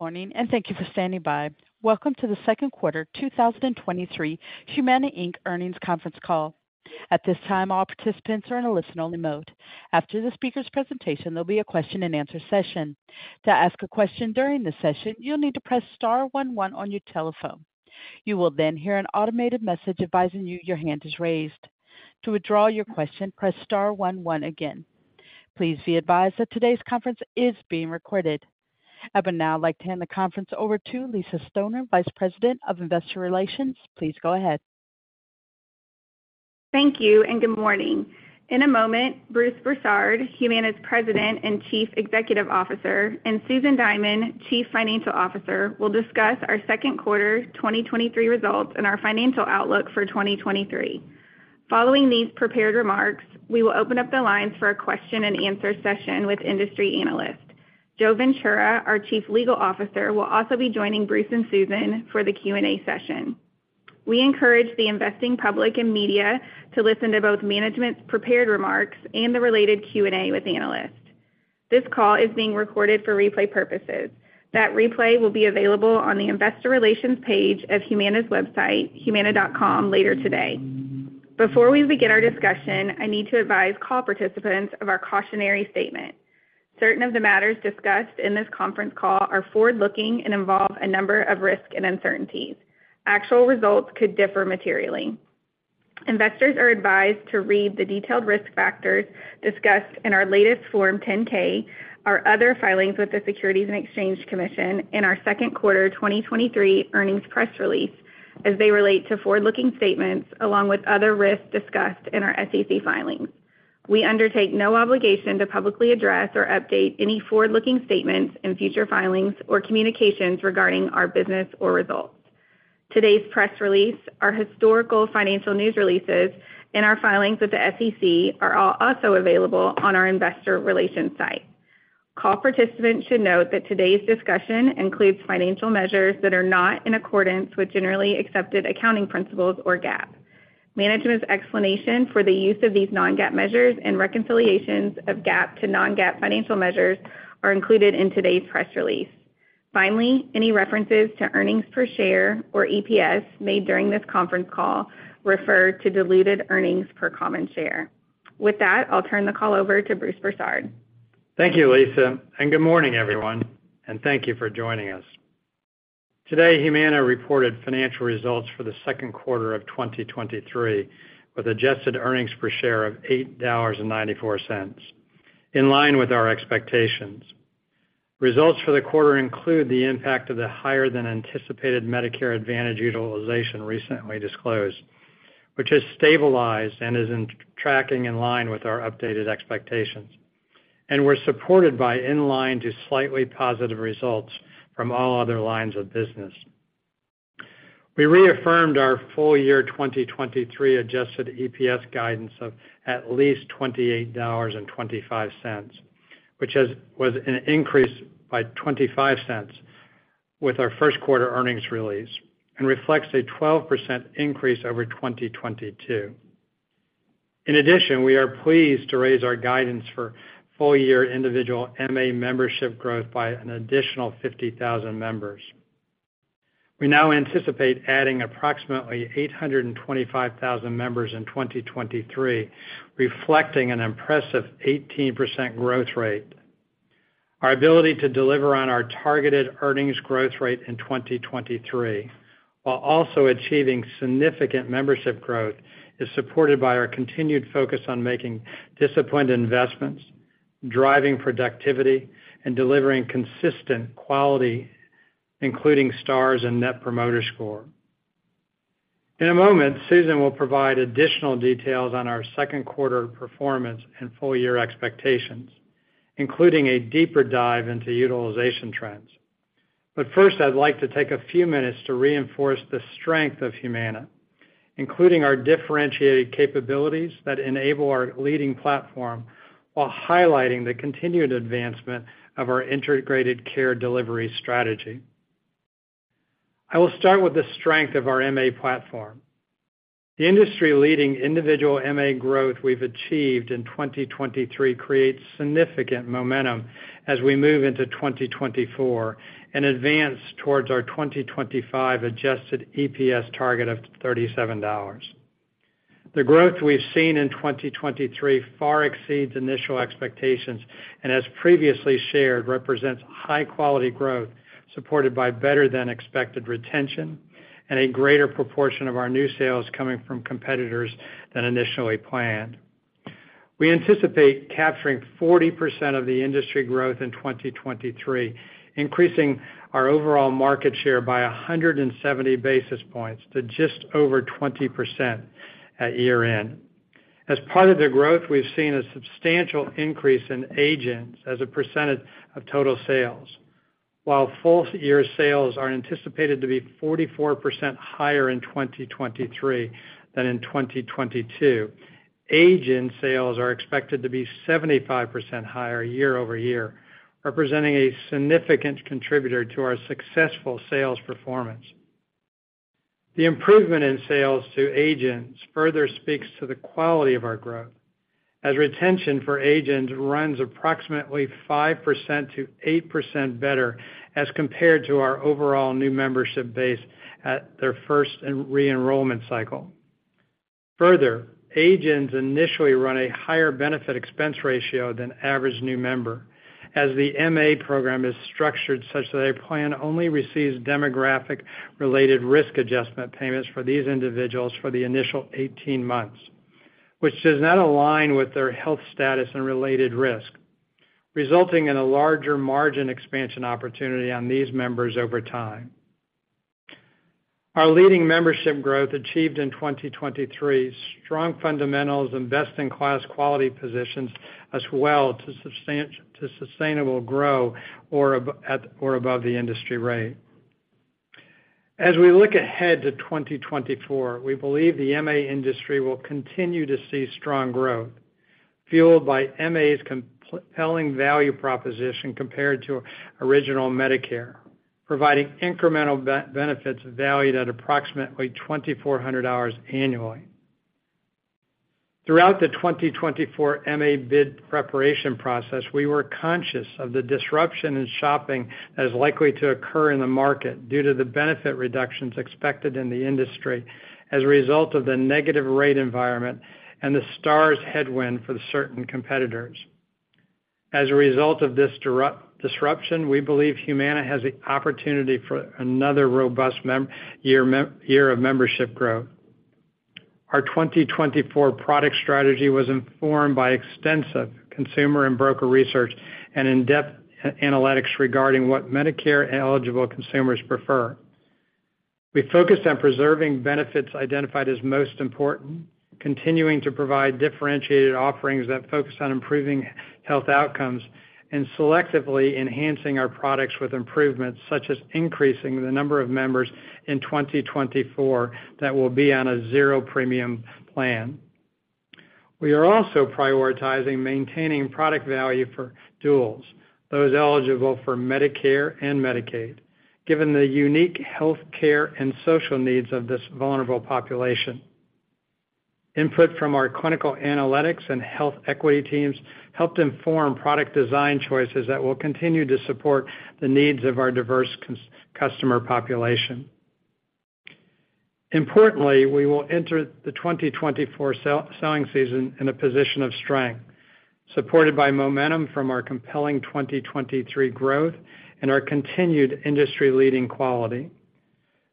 Good morning. Thank you for standing by. Welcome to the second quarter 2023 Humana Inc. earnings conference call. At this time, all participants are in a listen-only mode. After the speaker's presentation, there'll be a question-and-answer session. To ask a question during this session, you'll need to press star one one on your telephone. You will hear an automated message advising you your hand is raised. To withdraw your question, press star one one again. Please be advised that today's conference is being recorded. I would now like to hand the conference over to Lisa Stoner, Vice President of Investor Relations. Please go ahead. Thank you. Good morning. In a moment, Bruce Broussard, Humana's President and Chief Executive Officer, and Susan Diamond, Chief Financial Officer, will discuss our second quarter 2023 results and our financial outlook for 2023. Following these prepared remarks, we will open up the lines for a question-and-answer session with industry analysts. Joe Ventura, our Chief Legal Officer, will also be joining Bruce and Susan for the Q&A session. We encourage the investing public and media to listen to both management's prepared remarks and the related Q&A with analysts. This call is being recorded for replay purposes. That replay will be available on the investor relations page of Humana's website, humana.com, later today. Before we begin our discussion, I need to advise call participants of our cautionary statement. Certain of the matters discussed in this conference call are forward-looking and involve a number of risks and uncertainties. Actual results could differ materially. Investors are advised to read the detailed risk factors discussed in our latest Form 10-K, our other filings with the Securities and Exchange Commission, and our second quarter 2023 earnings press release, as they relate to forward-looking statements, along with other risks discussed in our SEC filings. We undertake no obligation to publicly address or update any forward-looking statements in future filings or communications regarding our business or results. Today's press release, our historical financial news releases, and our filings with the SEC are all also available on our investor relations site. Call participants should note that today's discussion includes financial measures that are not in accordance with generally accepted accounting principles, or GAAP. Management's explanation for the use of these non-GAAP measures and reconciliations of GAAP to non-GAAP financial measures are included in today's press release. Finally, any references to earnings per share, or EPS, made during this conference call refer to diluted earnings per common share. With that, I'll turn the call over to Bruce Broussard. Thank you, Lisa, and good morning, everyone, and thank you for joining us. Today, Humana reported financial results for the second quarter of 2023, with adjusted earnings per share of $8.94, in line with our expectations. Results for the quarter include the impact of the higher than anticipated Medicare Advantage utilization recently disclosed, which has stabilized and is in tracking in line with our updated expectations, and were supported by in line to slightly positive results from all other lines of business. We reaffirmed our full year 2023 adjusted EPS guidance of at least $28.25, which was an increase by $0.25 with our first quarter earnings release and reflects a 12% increase over 2022. In addition, we are pleased to raise our guidance for full-year individual MA membership growth by an additional 50,000 members. We now anticipate adding approximately 825,000 members in 2023, reflecting an impressive 18% growth rate. Our ability to deliver on our targeted earnings growth rate in 2023, while also achieving significant membership growth, is supported by our continued focus on making disciplined investments, driving productivity, and delivering consistent quality, including Stars and Net Promoter Score. In a moment, Susan will provide additional details on our second quarter performance and full year expectations, including a deeper dive into utilization trends. First, I'd like to take a few minutes to reinforce the strength of Humana, including our differentiated capabilities that enable our leading platform, while highlighting the continued advancement of our integrated care delivery strategy. I will start with the strength of our MA platform. The industry-leading individual MA growth we've achieved in 2023 creates significant momentum as we move into 2024 and advance towards our 2025 adjusted EPS target of $37. The growth we've seen in 2023 far exceeds initial expectations, as previously shared, represents high quality growth supported by better than expected retention and a greater proportion of our new sales coming from competitors than initially planned. We anticipate capturing 40% of the industry growth in 2023, increasing our overall market share by 170 basis points to just over 20% at year-end. As part of the growth, we've seen a substantial increase in agents as a percentage of total sales. While full year sales are anticipated to be 44% higher in 2023 than in 2022, agent sales are expected to be 75% higher year-over-year, representing a significant contributor to our successful sales performance. The improvement in sales to agents further speaks to the quality of our growth, as retention for agents runs approximately 5%-8% better as compared to our overall new membership base at their first re-enrollment cycle. Further, agents initially run a higher benefit expense ratio than average new member, as the MA program is structured such that a plan only receives demographic-related risk adjustment payments for these individuals for the initial 18 months, which does not align with their health status and related risk, resulting in a larger margin expansion opportunity on these members over time. Our leading membership growth achieved in 2023, strong fundamentals and best-in-class quality positions as well to sustainable grow at or above the industry rate. As we look ahead to 2024, we believe the MA industry will continue to see strong growth, fueled by MA's compelling value proposition compared to Original Medicare, providing incremental benefits valued at approximately 2,400 hours annually. Throughout the 2024 MA bid preparation process, we were conscious of the disruption in shopping that is likely to occur in the market due to the benefit reductions expected in the industry as a result of the negative rate environment and the Stars headwind for the certain competitors. As a result of this disruption, we believe Humana has the opportunity for another robust year of membership growth. Our 2024 product strategy was informed by extensive consumer and broker research and in-depth analytics regarding what Medicare-eligible consumers prefer. We focused on preserving benefits identified as most important, continuing to provide differentiated offerings that focus on improving health outcomes, and selectively enhancing our products with improvements, such as increasing the number of members in 2024 that will be on a zero premium plan. We are also prioritizing maintaining product value for duals, those eligible for Medicare and Medicaid, given the unique healthcare and social needs of this vulnerable population. Input from our clinical analytics and health equity teams helped inform product design choices that will continue to support the needs of our diverse customer population. Importantly, we will enter the 2024 selling season in a position of strength, supported by momentum from our compelling 2023 growth and our continued industry-leading quality.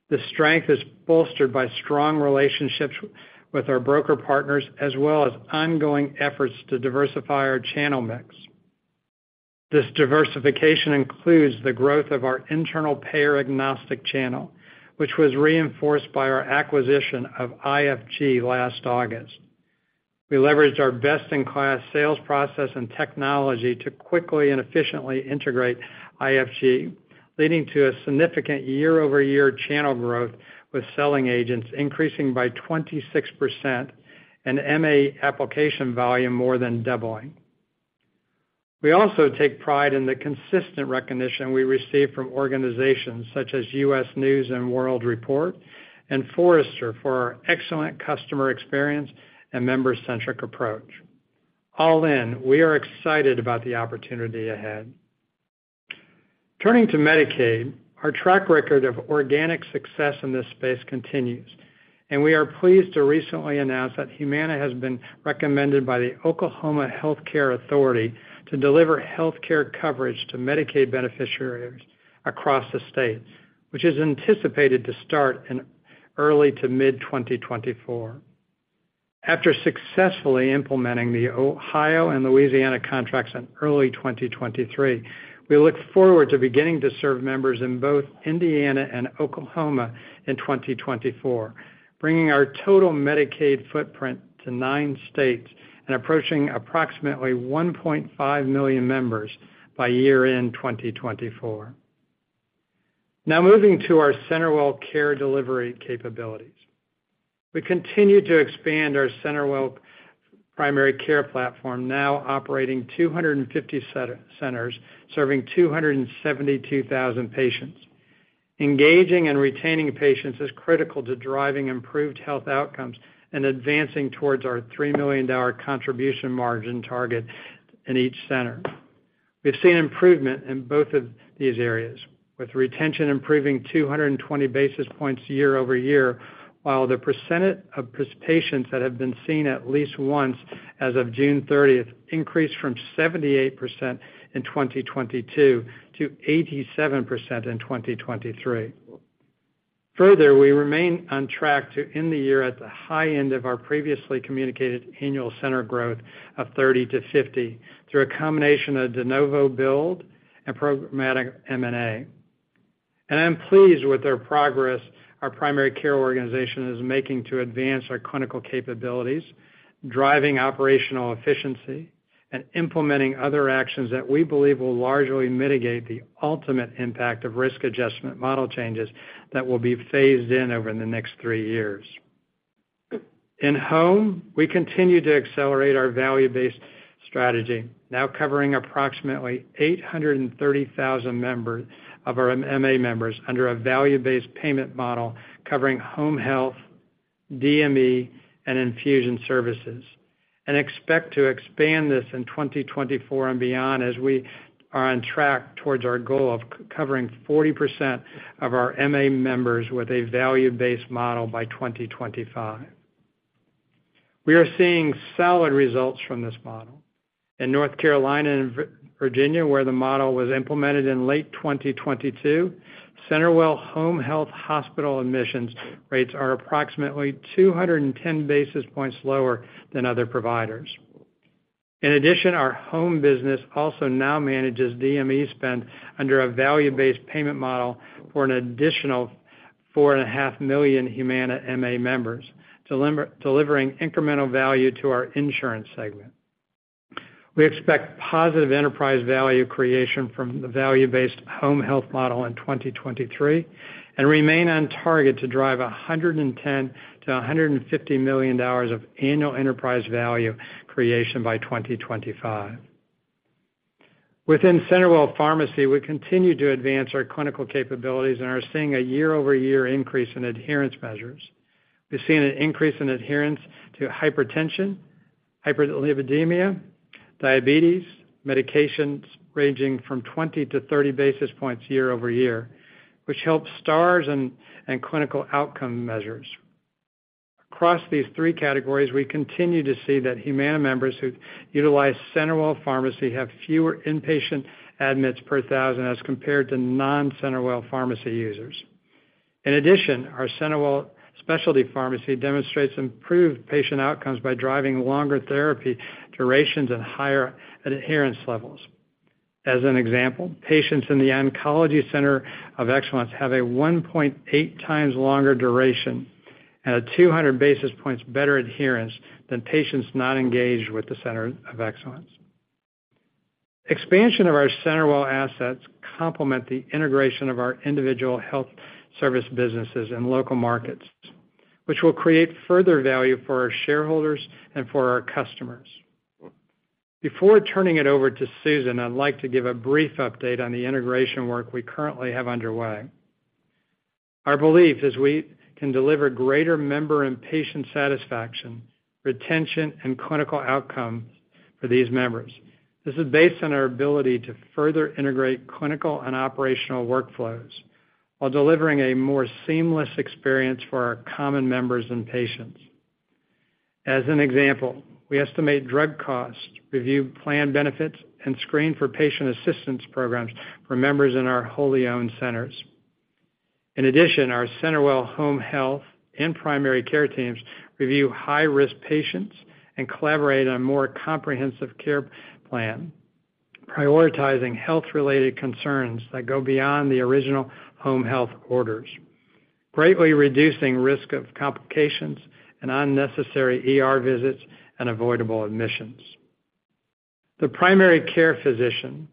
The strength is bolstered by strong relationships with our broker partners, as well as ongoing efforts to diversify our channel mix. This diversification includes the growth of our internal payer agnostic channel, which was reinforced by our acquisition of iGg last August. We leveraged our best-in-class sales process and technology to quickly and efficiently integrate iGg, leading to a significant year-over-year channel growth, with selling agents increasing by 26% and MA application volume more than doubling. We also take pride in the consistent recognition we receive from organizations such as U.S. News & World Report and Forrester for our excellent customer experience and member-centric approach. All in, we are excited about the opportunity ahead. Turning to Medicaid, our track record of organic success in this space continues. We are pleased to recently announce that Humana has been recommended by the Oklahoma Health Care Authority to deliver healthcare coverage to Medicaid beneficiaries across the state, which is anticipated to start in early to mid-2024. After successfully implementing the Ohio and Louisiana contracts in early 2023, we look forward to beginning to serve members in both Indiana and Oklahoma in 2024, bringing our total Medicaid footprint to 9 states and approaching approximately 1.5 million members by year-end 2024. Moving to our CenterWell care delivery capabilities. We continue to expand our CenterWell primary care platform, now operating 250 centers, serving 272,000 patients. Engaging and retaining patients is critical to driving improved health outcomes and advancing towards our $3 million Contribution Margin target in each center. We've seen improvement in both of these areas, with retention improving 220 basis points year-over-year, while the percentage of patients that have been seen at least once as of June 30th increased from 78% in 2022 to 87% in 2023. Further, we remain on track to end the year at the high end of our previously communicated annual center growth of 30-50 through a combination of de novo build and programmatic M&A. I'm pleased with the progress our primary care organization is making to advance our clinical capabilities, driving operational efficiency, and implementing other actions that we believe will largely mitigate the ultimate impact of Risk Adjustment model changes that will be phased in over the next 3 years. In home, we continue to accelerate our value-based strategy, now covering approximately 830,000 members of our MA members under a value-based payment model covering home health, DME, and infusion services, and expect to expand this in 2024 and beyond as we are on track towards our goal of covering 40% of our MA members with a value-based model by 2025. We are seeing solid results from this model. In North Carolina and Virginia, where the model was implemented in late 2022, CenterWell Home Health hospital admissions rates are approximately 210 basis points lower than other providers. In addition, our home business also now manages DME spend under a value-based payment model for an additional 4.5 million Humana MA members, delivering incremental value to our insurance segment. We expect positive enterprise value creation from the value-based home health model in 2023, and remain on target to drive $110 million-$150 million of annual enterprise value creation by 2025. Within CenterWell Pharmacy, we continue to advance our clinical capabilities and are seeing a year-over-year increase in adherence measures. We've seen an increase in adherence to hypertension, hyperlipidemia, diabetes, medications ranging from 20-30 basis points year-over-year, which helps Stars and clinical outcome measures. Across these three categories, we continue to see that Humana members who utilize CenterWell Pharmacy have fewer inpatient admits per thousand as compared to non-CenterWell Pharmacy users. In addition, our CenterWell Specialty Pharmacy demonstrates improved patient outcomes by driving longer therapy durations and higher adherence levels. As an example, patients in the Oncology Center of Excellence have a 1.8 times longer duration and a 200 basis points better adherence than patients not engaged with the Center of Excellence. Expansion of our CenterWell assets complement the integration of our individual health service businesses in local markets, which will create further value for our shareholders and for our customers. Before turning it over to Susan, I'd like to give a brief update on the integration work we currently have underway. Our belief is we can deliver greater member and patient satisfaction, retention, and clinical outcomes for these members. This is based on our ability to further integrate clinical and operational workflows while delivering a more seamless experience for our common members and patients. As an example, we estimate drug costs, review plan benefits, and screen for patient assistance programs for members in our wholly owned centers. In addition, our CenterWell Home Health and Primary Care teams review high-risk patients and collaborate on a more comprehensive care plan, prioritizing health-related concerns that go beyond the original home health orders, greatly reducing risk of complications and unnecessary ER visits and avoidable admissions. The primary care physician,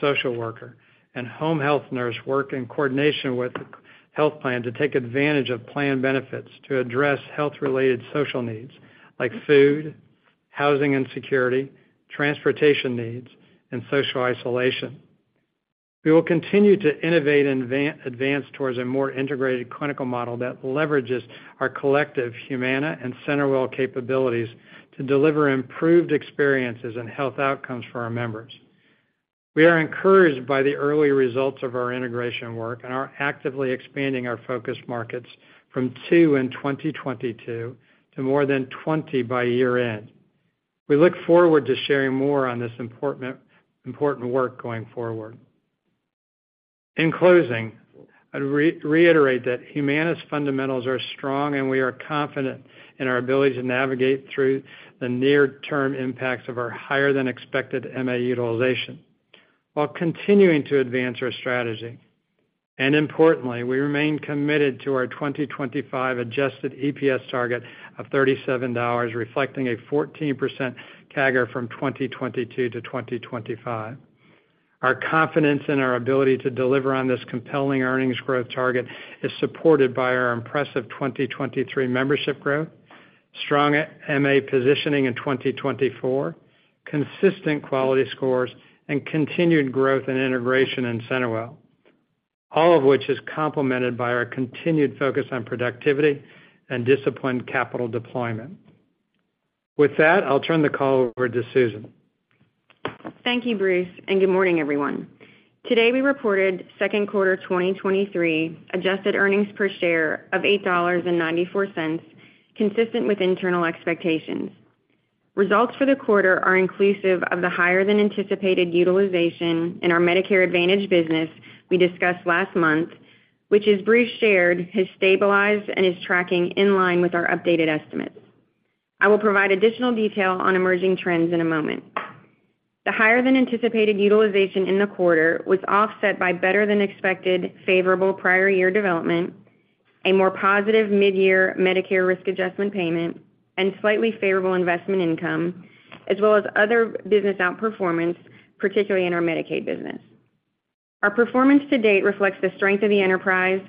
social worker, and home health nurse work in coordination with the health plan to take advantage of plan benefits to address health-related social needs like food, housing insecurity, transportation needs, and social isolation. We will continue to innovate and advance towards a more integrated clinical model that leverages our collective Humana and CenterWell capabilities to deliver improved experiences and health outcomes for our members. We are encouraged by the early results of our integration work and are actively expanding our focus markets from 2 in 2022 to more than 20 by year-end. We look forward to sharing more on this important, important work going forward. In closing, I'd reiterate that Humana's fundamentals are strong, and we are confident in our ability to navigate through the near-term impacts of our higher-than-expected MA utilization, while continuing to advance our strategy. Importantly, we remain committed to our 2025 adjusted EPS target of $37, reflecting a 14% CAGR from 2022 to 2025. Our confidence in our ability to deliver on this compelling earnings growth target is supported by our impressive 2023 membership growth, strong MA positioning in 2024, consistent quality scores, and continued growth and integration in CenterWell, all of which is complemented by our continued focus on productivity and disciplined capital deployment. With that, I'll turn the call over to Susan. Thank you, Bruce. Good morning, everyone. Today, we reported second quarter 2023 adjusted earnings per share of $8.94, consistent with internal expectations. Results for the quarter are inclusive of the higher-than-anticipated utilization in our Medicare Advantage business we discussed last month, which, as Bruce shared, has stabilized and is tracking in line with our updated estimates. I will provide additional detail on emerging trends in a moment. The higher-than-anticipated utilization in the quarter was offset by better-than-expected favorable Prior Year Development, a more positive mid-year Medicare Risk Adjustment payment, and slightly favorable investment income, as well as other business outperformance, particularly in our Medicaid business. Our performance to date reflects the strength of the enterprise,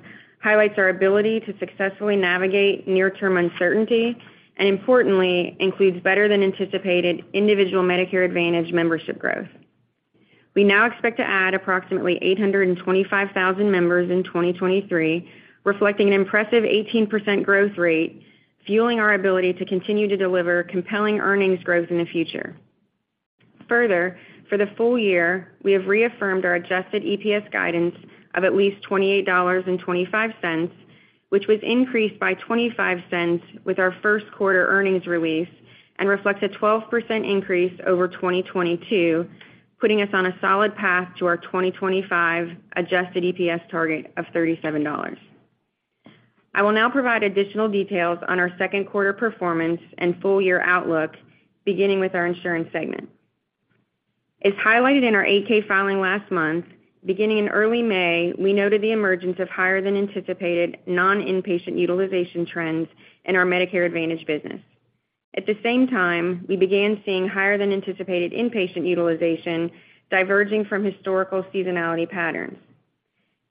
highlights our ability to successfully navigate near-term uncertainty, and importantly, includes better-than-anticipated individual Medicare Advantage membership growth. We now expect to add approximately 825,000 members in 2023, reflecting an impressive 18% growth rate, fueling our ability to continue to deliver compelling earnings growth in the future. For the full year, we have reaffirmed our adjusted EPS guidance of at least $28.25, which was increased by $0.25 with our first quarter earnings release, and reflects a 12% increase over 2022, putting us on a solid path to our 2025 adjusted EPS target of $37. I will now provide additional details on our second quarter performance and full year outlook, beginning with our insurance segment. As highlighted in our 8-K filing last month, beginning in early May, we noted the emergence of higher-than-anticipated non-inpatient utilization trends in our Medicare Advantage business. At the same time, we began seeing higher-than-anticipated inpatient utilization, diverging from historical seasonality patterns.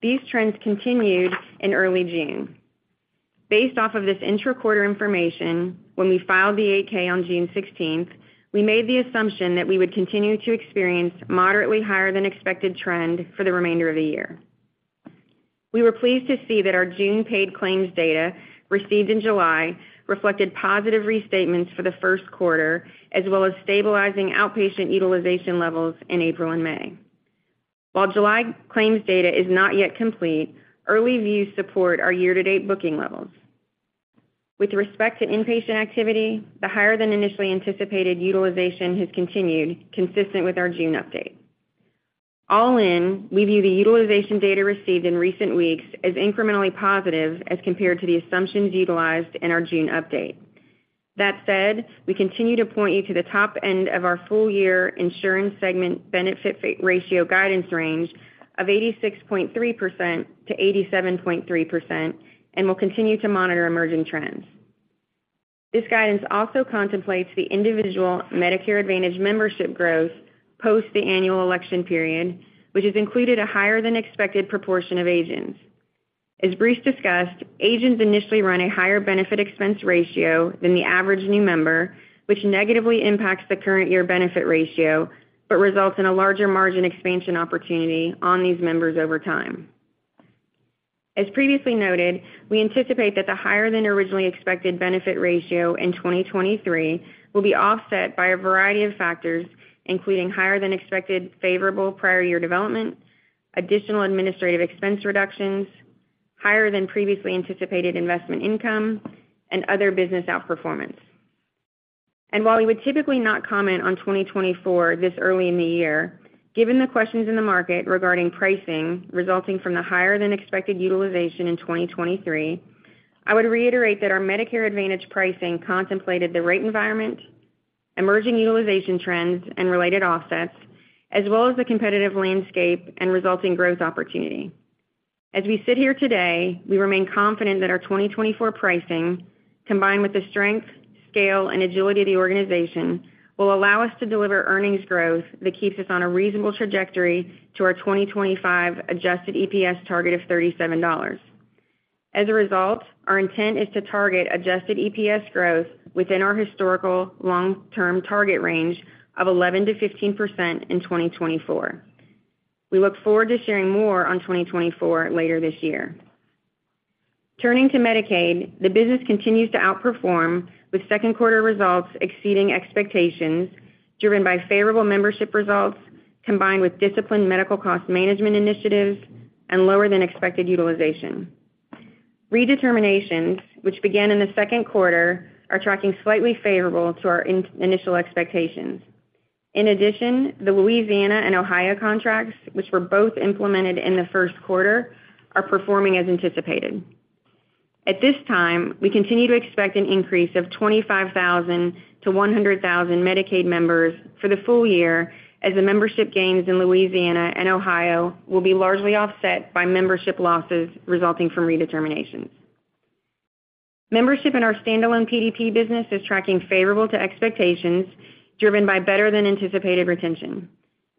These trends continued in early June. Based off of this intra-quarter information, when we filed the 8-K on June 16th, we made the assumption that we would continue to experience moderately higher-than-expected trend for the remainder of the year. We were pleased to see that our June paid claims data, received in July, reflected positive restatements for the first quarter, as well as stabilizing outpatient utilization levels in April and May. While July claims data is not yet complete, early views support our year-to-date booking levels. With respect to inpatient activity, the higher than initially anticipated utilization has continued, consistent with our June update. All in, we view the utilization data received in recent weeks as incrementally positive as compared to the assumptions utilized in our June update. That said, we continue to point you to the top end of our full-year insurance segment benefit ratio guidance range of 86.3%-87.3%, and we'll continue to monitor emerging trends. This guidance also contemplates the individual Medicare Advantage membership growth post the Annual Election Period, which has included a higher-than-expected proportion of agents. As Bruce discussed, agents initially run a higher benefit expense ratio than the average new member, which negatively impacts the current year benefit ratio, but results in a larger margin expansion opportunity on these members over time. As previously noted, we anticipate that the higher-than-originally-expected benefit ratio in 2023 will be offset by a variety of factors, including higher-than-expected favorable Prior Year Development, additional administrative expense reductions, higher than previously anticipated investment income, and other business outperformance. While we would typically not comment on 2024 this early in the year, given the questions in the market regarding pricing resulting from the higher-than-expected utilization in 2023, I would reiterate that our Medicare Advantage pricing contemplated the rate environment, emerging utilization trends and related offsets, as well as the competitive landscape and resulting growth opportunity. As we sit here today, we remain confident that our 2024 pricing, combined with the strength, scale, and agility of the organization, will allow us to deliver earnings growth that keeps us on a reasonable trajectory to our 2025 adjusted EPS target of $37. As a result, our intent is to target adjusted EPS growth within our historical long-term target range of 11%-15% in 2024. We look forward to sharing more on 2024 later this year. Turning to Medicaid, the business continues to outperform, with second quarter results exceeding expectations, driven by favorable membership results, combined with disciplined medical cost management initiatives and lower-than-expected utilization. Redeterminations, which began in the second quarter, are tracking slightly favorable to our initial expectations. The Louisiana and Ohio contracts, which were both implemented in the first quarter, are performing as anticipated. At this time, we continue to expect an increase of 25,000 to 100,000 Medicaid members for the full year, as the membership gains in Louisiana and Ohio will be largely offset by membership losses resulting from Redeterminations. Membership in our standalone PDP business is tracking favorable to expectations, driven by better-than-anticipated retention.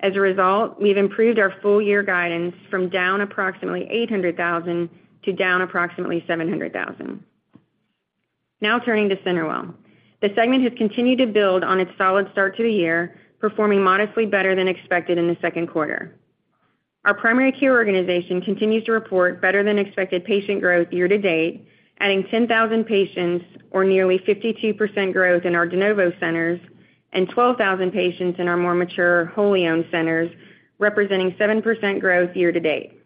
We've improved our full-year guidance from down approximately 800,000 to down approximately 700,000. Turning to CenterWell. The segment has continued to build on its solid start to the year, performing modestly better than expected in the second quarter. Our primary care organization continues to report better-than-expected patient growth year to date, adding 10,000 patients, or nearly 52% growth in our de novo centers, and 12,000 patients in our more mature, wholly owned centers, representing 7% growth year to date.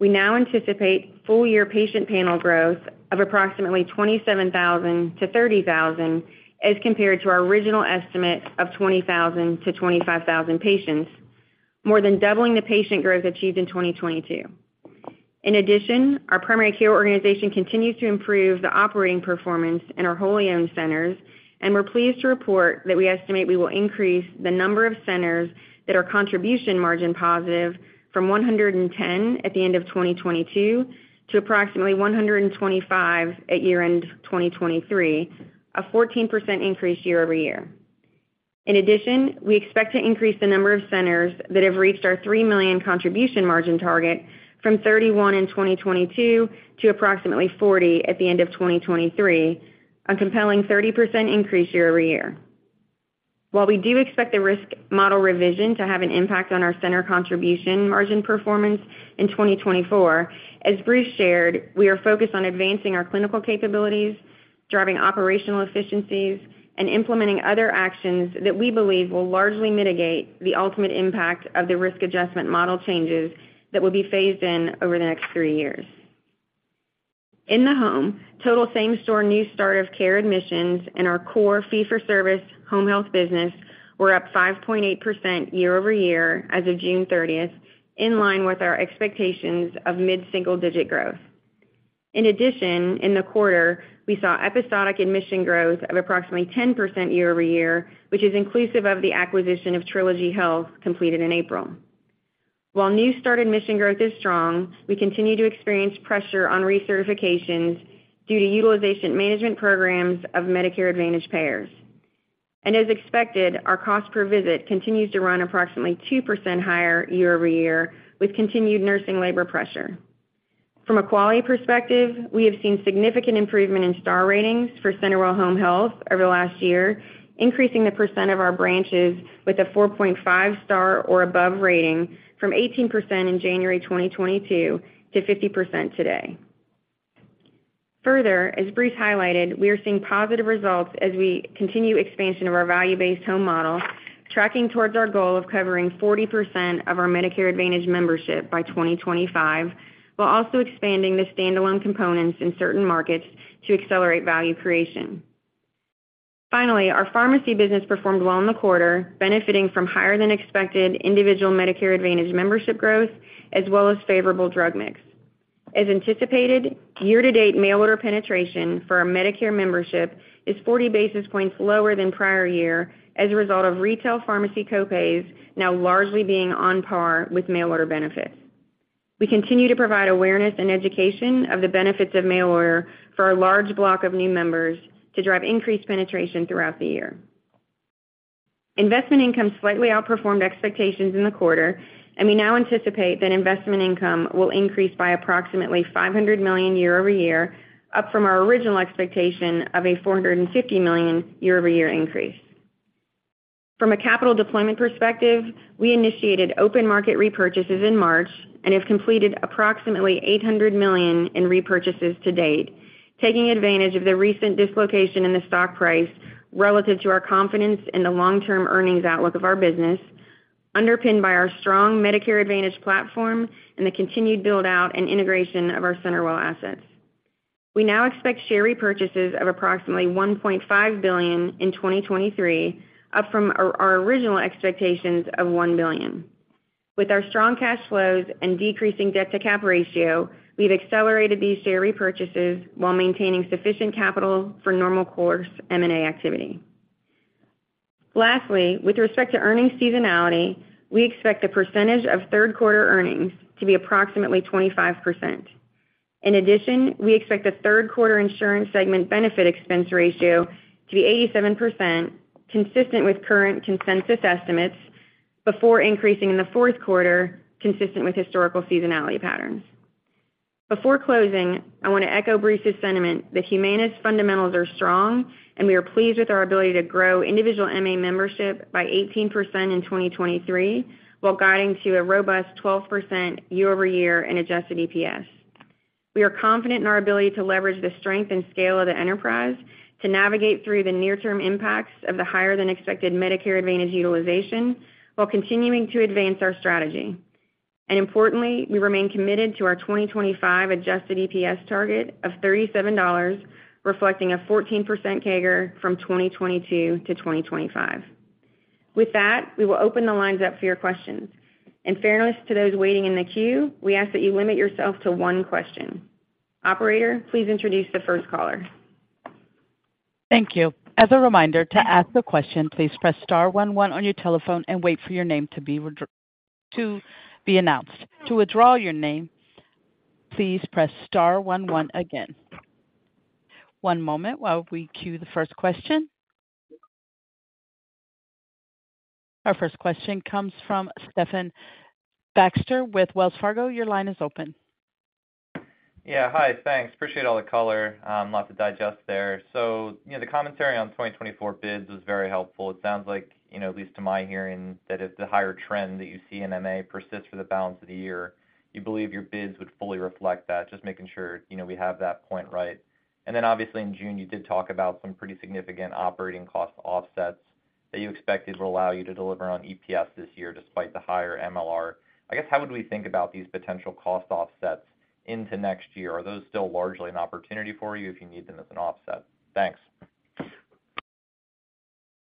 We now anticipate full year patient panel growth of approximately 27,000-30,000, as compared to our original estimate of 20,000-25,000 patients, more than doubling the patient growth achieved in 2022. In addition, our primary care organization continues to improve the operating performance in our wholly owned centers, and we're pleased to report that we estimate we will increase the number of centers that are contribution margin positive from 110 at the end of 2022 to approximately 125 at year-end 2023, a 14% increase year-over-year. In addition, we expect to increase the number of centers that have reached our $3 million contribution margin target from 31 in 2022 to approximately 40 at the end of 2023, a compelling 30% increase year-over-year. While we do expect the risk model revision to have an impact on our CenterWell Contribution Margin performance in 2024, as Bruce shared, we are focused on advancing our clinical capabilities, driving operational efficiencies, and implementing other actions that we believe will largely mitigate the ultimate impact of the risk adjustment model changes that will be phased in over the next 3 years. In the home, total same-store new start of care admissions in our core fee-for-service home health business were up 5.8% year-over-year as of June 30th, in line with our expectations of mid-single-digit growth. In addition, in the quarter, we saw episodic admission growth of approximately 10% year-over-year, which is inclusive of the acquisition of Trilogy Home Health, completed in April. While new start admission growth is strong, we continue to experience pressure on recertifications due to utilization management programs of Medicare Advantage payers. As expected, our cost per visit continues to run approximately 2% higher year-over-year, with continued nursing labor pressure. From a quality perspective, we have seen significant improvement in Stars ratings for CenterWell Home Health over the last year, increasing the percent of our branches with a 4.5 star or above rating from 18% in January 2022 to 50% today. Further, as Bruce highlighted, we are seeing positive results as we continue expansion of our value-based home model, tracking towards our goal of covering 40% of our Medicare Advantage membership by 2025, while also expanding the standalone components in certain markets to accelerate value creation. Finally, our pharmacy business performed well in the quarter, benefiting from higher than expected individual Medicare Advantage membership growth, as well as favorable drug mix. As anticipated, year-to-date mail order penetration for our Medicare membership is 40 basis points lower than prior year as a result of retail pharmacy copays now largely being on par with mail order benefits. We continue to provide awareness and education of the benefits of mail order for our large block of new members to drive increased penetration throughout the year. Investment income slightly outperformed expectations in the quarter, we now anticipate that investment income will increase by approximately $500 million year-over-year, up from our original expectation of a $450 million year-over-year increase. From a capital deployment perspective, we initiated open market repurchases in March and have completed approximately $800 million in repurchases to date, taking advantage of the recent dislocation in the stock price relative to our confidence in the long-term earnings outlook of our business, underpinned by our strong Medicare Advantage platform and the continued build-out and integration of our CenterWell assets. We now expect share repurchases of approximately $1.5 billion in 2023, up from our original expectations of $1 billion. With our strong cash flows and decreasing debt-to-cap ratio, we've accelerated these share repurchases while maintaining sufficient capital for normal course M&A activity. Lastly, with respect to earnings seasonality, we expect the percentage of third quarter earnings to be approximately 25%. In addition, we expect the third quarter insurance segment benefit expense ratio to be 87%, consistent with current consensus estimates, before increasing in the fourth quarter, consistent with historical seasonality patterns. Before closing, I want to echo Bruce's sentiment that Humana's fundamentals are strong, and we are pleased with our ability to grow individual MA membership by 18% in 2023, while guiding to a robust 12% year-over-year in adjusted EPS. We are confident in our ability to leverage the strength and scale of the enterprise to navigate through the near-term impacts of the higher-than-expected Medicare Advantage utilization, while continuing to advance our strategy. Importantly, we remain committed to our 2025 adjusted EPS target of $37, reflecting a 14% CAGR from 2022 to 2025. With that, we will open the lines up for your questions. In fairness to those waiting in the queue, we ask that you limit yourself to one question. Operator, please introduce the first caller. Thank you. As a reminder, to ask a question, please press star 11 on your telephone and wait for your name to be to be announced. To withdraw your name, please press star 11 again. One moment while we queue the first question. Our first question comes from Stephen Baxter with Wells Fargo. Your line is open. Yeah. Hi, thanks. Appreciate all the color. A lot to digest there. You know, the commentary on 2024 bids was very helpful. It sounds like, you know, at least to my hearing, that if the higher trend that you see in MA persists for the balance of the year, you believe your bids would fully reflect that. Just making sure, you know, we have that point right. Obviously, in June, you did talk about some pretty significant operating cost offsets that you expected will allow you to deliver on EPS this year, despite the higher MLR. I guess, how would we think about these potential cost offsets into next year? Are those still largely an opportunity for you if you need them as an offset? Thanks.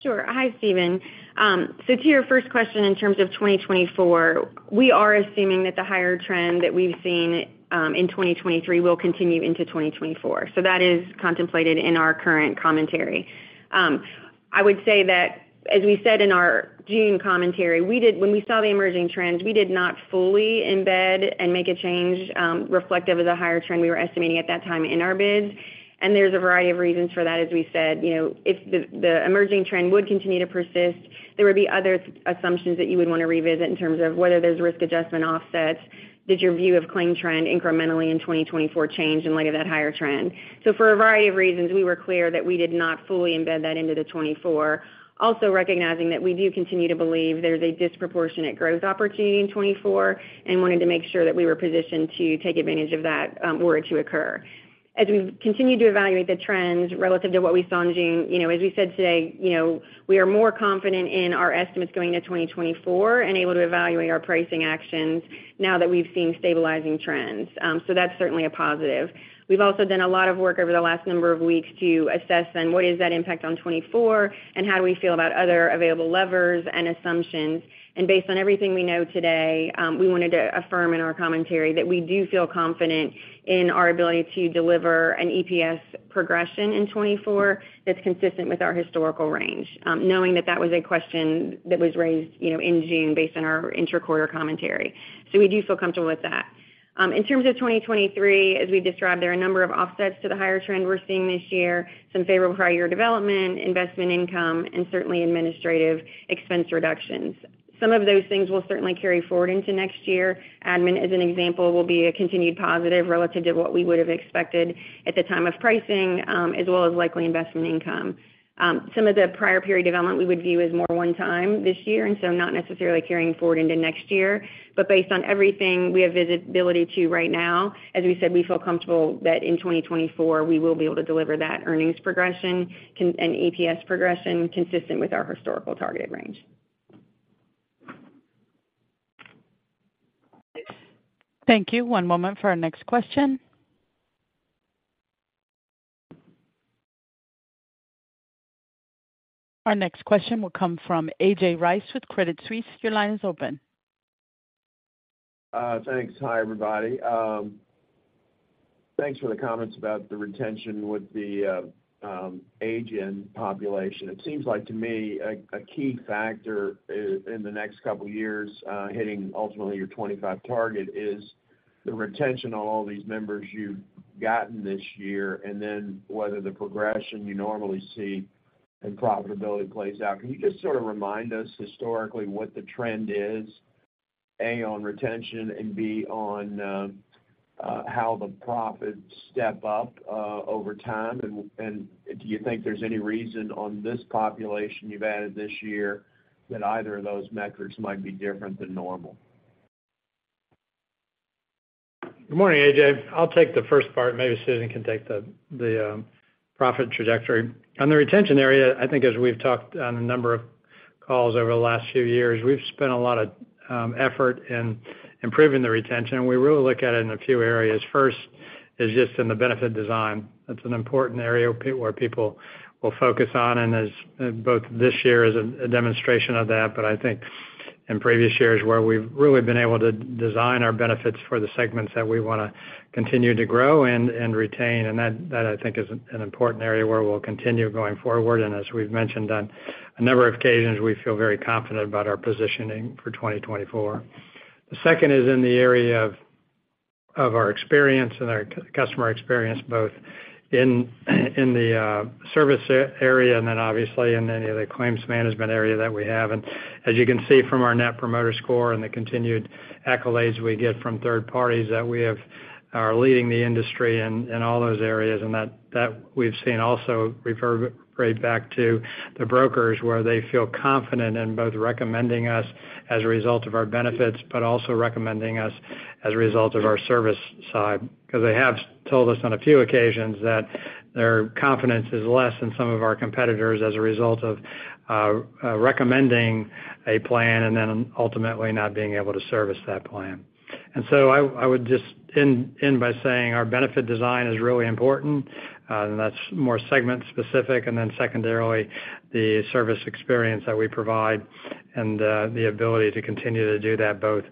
Sure. Hi, Stephen. To your first question, in terms of 2024, we are assuming that the higher trend that we've seen in 2023 will continue into 2024. That is contemplated in our current commentary. I would say that, as we said in our June commentary, when we saw the emerging trends, we did not fully embed and make a change reflective of the higher trend we were estimating at that time in our bids. There's a variety of reasons for that. As we said, you know, if the, the emerging trend would continue to persist, there would be other assumptions that you would want to revisit in terms of whether there's risk adjustment offsets. Did your view of claim trend incrementally in 2024 change in light of that higher trend? For a variety of reasons, we were clear that we did not fully embed that into the 2024. Also recognizing that we do continue to believe there's a disproportionate growth opportunity in 2024, and wanted to make sure that we were positioned to take advantage of that, were it to occur. As we've continued to evaluate the trends relative to what we saw in June, you know, as we said today, you know, we are more confident in our estimates going into 2024 and able to evaluate our pricing actions now that we've seen stabilizing trends. That's certainly a positive. We've also done a lot of work over the last number of weeks to assess then what is that impact on 2024, and how do we feel about other available levers and assumptions. Based on everything we know today, we wanted to affirm in our commentary that we do feel confident in our ability to deliver an EPS progression in 2024 that's consistent with our historical range, knowing that that was a question that was raised, you know, in June based on our interquarter commentary. We do feel comfortable with that. In terms of 2023, as we described, there are a number of offsets to the higher trend we're seeing this year, some favorable Prior Year Development, investment income, and certainly administrative expense reductions. Some of those things will certainly carry forward into next year. Admin, as an example, will be a continued positive relative to what we would have expected at the time of pricing, as well as likely investment income. Some of the prior period development we would view as more one time this year, and so not necessarily carrying forward into next year, but based on everything we have visibility to right now, as we said, we feel comfortable that in 2024, we will be able to deliver that earnings progression and APS progression consistent with our historical targeted range. Thank you. One moment for our next question. Our next question will come from A.J. Rice with Credit Suisse. Your line is open. Thanks. Hi, everybody. Thanks for the comments about the retention with the agent population. It seems like to me, a key factor in the next couple of years, hitting ultimately your 25 target is the retention on all these members you've gotten this year, and then whether the progression you normally see in profitability plays out. Can you just sort of remind us historically, what the trend is, A, on retention and B, on how the profits step up over time? Do you think there's any reason on this population you've added this year, that either of those metrics might be different than normal? Good morning, AJ. I'll take the first part, maybe Susan can take the, the profit trajectory. On the retention area, I think as we've talked on a number of calls over the last few years, we've spent a lot of effort in improving the retention, and we really look at it in a few areas. First, is just in the benefit design. That's an important area where people will focus on, as both this year is a demonstration of that, but I think in previous years, where we've really been able to design our benefits for the segments that we want to continue to grow and, and retain. That, that I think is an important area where we'll continue going forward. As we've mentioned on a number of occasions, we feel very confident about our positioning for 2024. The second is in the area of, of our experience and our customer experience, both in, in the service area and then obviously in any of the claims management area that we have. As you can see from our Net Promoter Score and the continued accolades we get from third parties, that we are leading the industry in, in all those areas, and that, that we've seen also reverberate back to the brokers, where they feel confident in both recommending us as a result of our benefits, but also recommending us as a result of our service side. They have told us on a few occasions that their confidence is less in some of our competitors as a result of recommending a plan and then ultimately not being able to service that plan. I, I would just end, end by saying our benefit design is really important, and that's more segment specific, and then secondarily, the service experience that we provide and the ability to continue to do that, both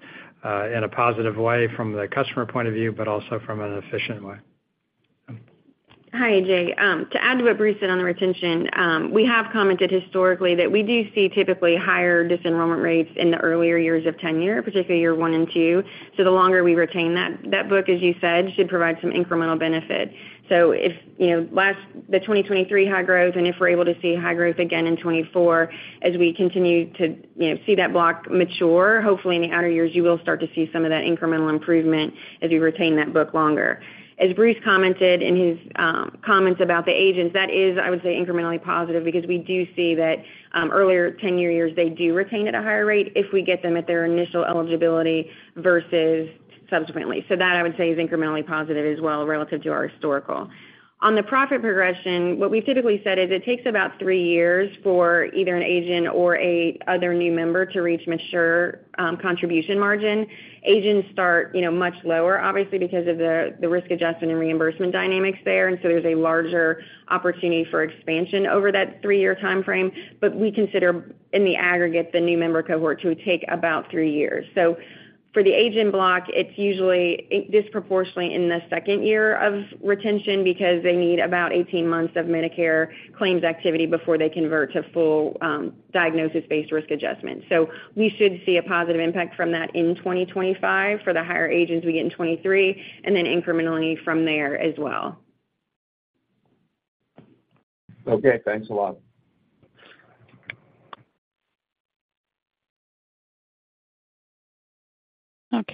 in a positive way from the customer point of view, but also from an efficient way. Hi, A.J. To add to what Bruce said on the retention, we have commented historically that we do see typically higher disenrollment rates in the earlier years of tenure, particularly year 1 and 2. The longer we retain that, that book, as you said, should provide some incremental benefit. If, you know, the 2023 high growth, and if we're able to see high growth again in 2024, as we continue to, you know, see that block mature, hopefully in the outer years, you will start to see some of that incremental improvement as we retain that book longer. As Bruce commented in his comments about the agents, that is, I would say, incrementally positive because we do see that earlier tenure years, they do retain at a higher rate if we get them at their initial eligibility versus subsequently. That I would say is incrementally positive as well, relative to our historical. On the profit progression, what we typically said is it takes about three years for either an agent or a other new member to reach mature, contribution margin. Agents start, you know, much lower, obviously, because of the, the risk adjustment and reimbursement dynamics there, and so there's a larger opportunity for expansion over that three-year timeframe. We consider in the aggregate, the new member cohort to take about three years. For the agent block, it's usually disproportionately in the second year of retention because they need about 18 months of Medicare claims activity before they convert to full, diagnosis-based risk adjustment. We should see a positive impact from that in 2025 for the higher agents we get in 2023, and then incrementally from there as well. Okay, thanks a lot.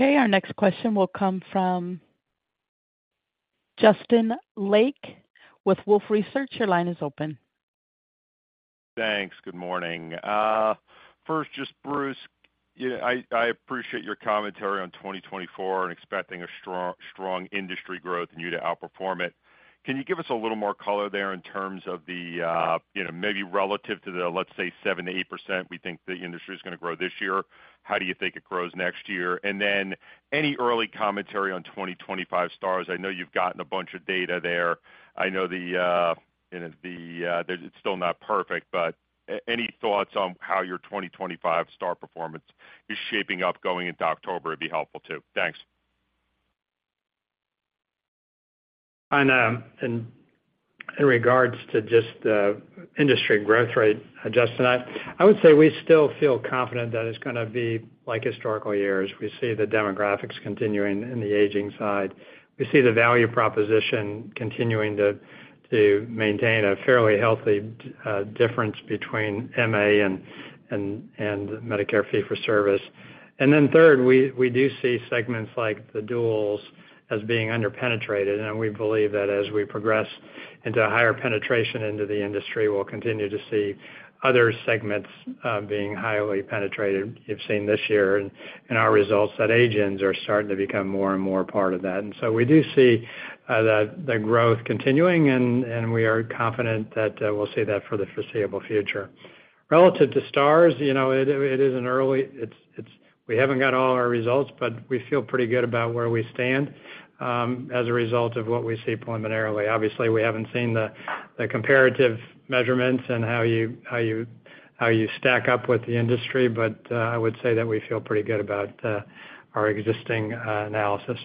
Our next question will come from Justin Lake with Wolfe Research. Your line is open. Thanks. Good morning. First, just Bruce, yeah, I, I appreciate your commentary on 2024 and expecting a strong, strong industry growth and you to outperform it. Can you give us a little more color there in terms of the, you know, maybe relative to the, let's say, 7%-8%, we think the industry is gonna grow this year? How do you think it grows next year? Any early commentary on 2025 Stars? I know you've gotten a bunch of data there. I know the, you know, the, it's still not perfect, but any thoughts on how your 2025 Stars performance is shaping up going into October would be helpful, too. Thanks. In, in regards to just the industry growth rate, Justin, I, I would say we still feel confident that it's gonna be like historical years. We see the demographics continuing in the aging side. We see the value proposition continuing to, to maintain a fairly healthy difference between MA and, and, and Medicare fee-for-service. Then third, we, we do see segments like the duals as being under-penetrated, and we believe that as we progress into a higher penetration into the industry, we'll continue to see other segments being highly penetrated. You've seen this year in our results that agents are starting to become more and more part of that. So we do see the, the growth continuing, and, and we are confident that we'll see that for the foreseeable future. Relative to Stars, you know, we haven't got all our results, but we feel pretty good about where we stand, as a result of what we see preliminarily. Obviously, we haven't seen the comparative measurements and how you, how you, how you stack up with the industry, but I would say that we feel pretty good about our existing analysis.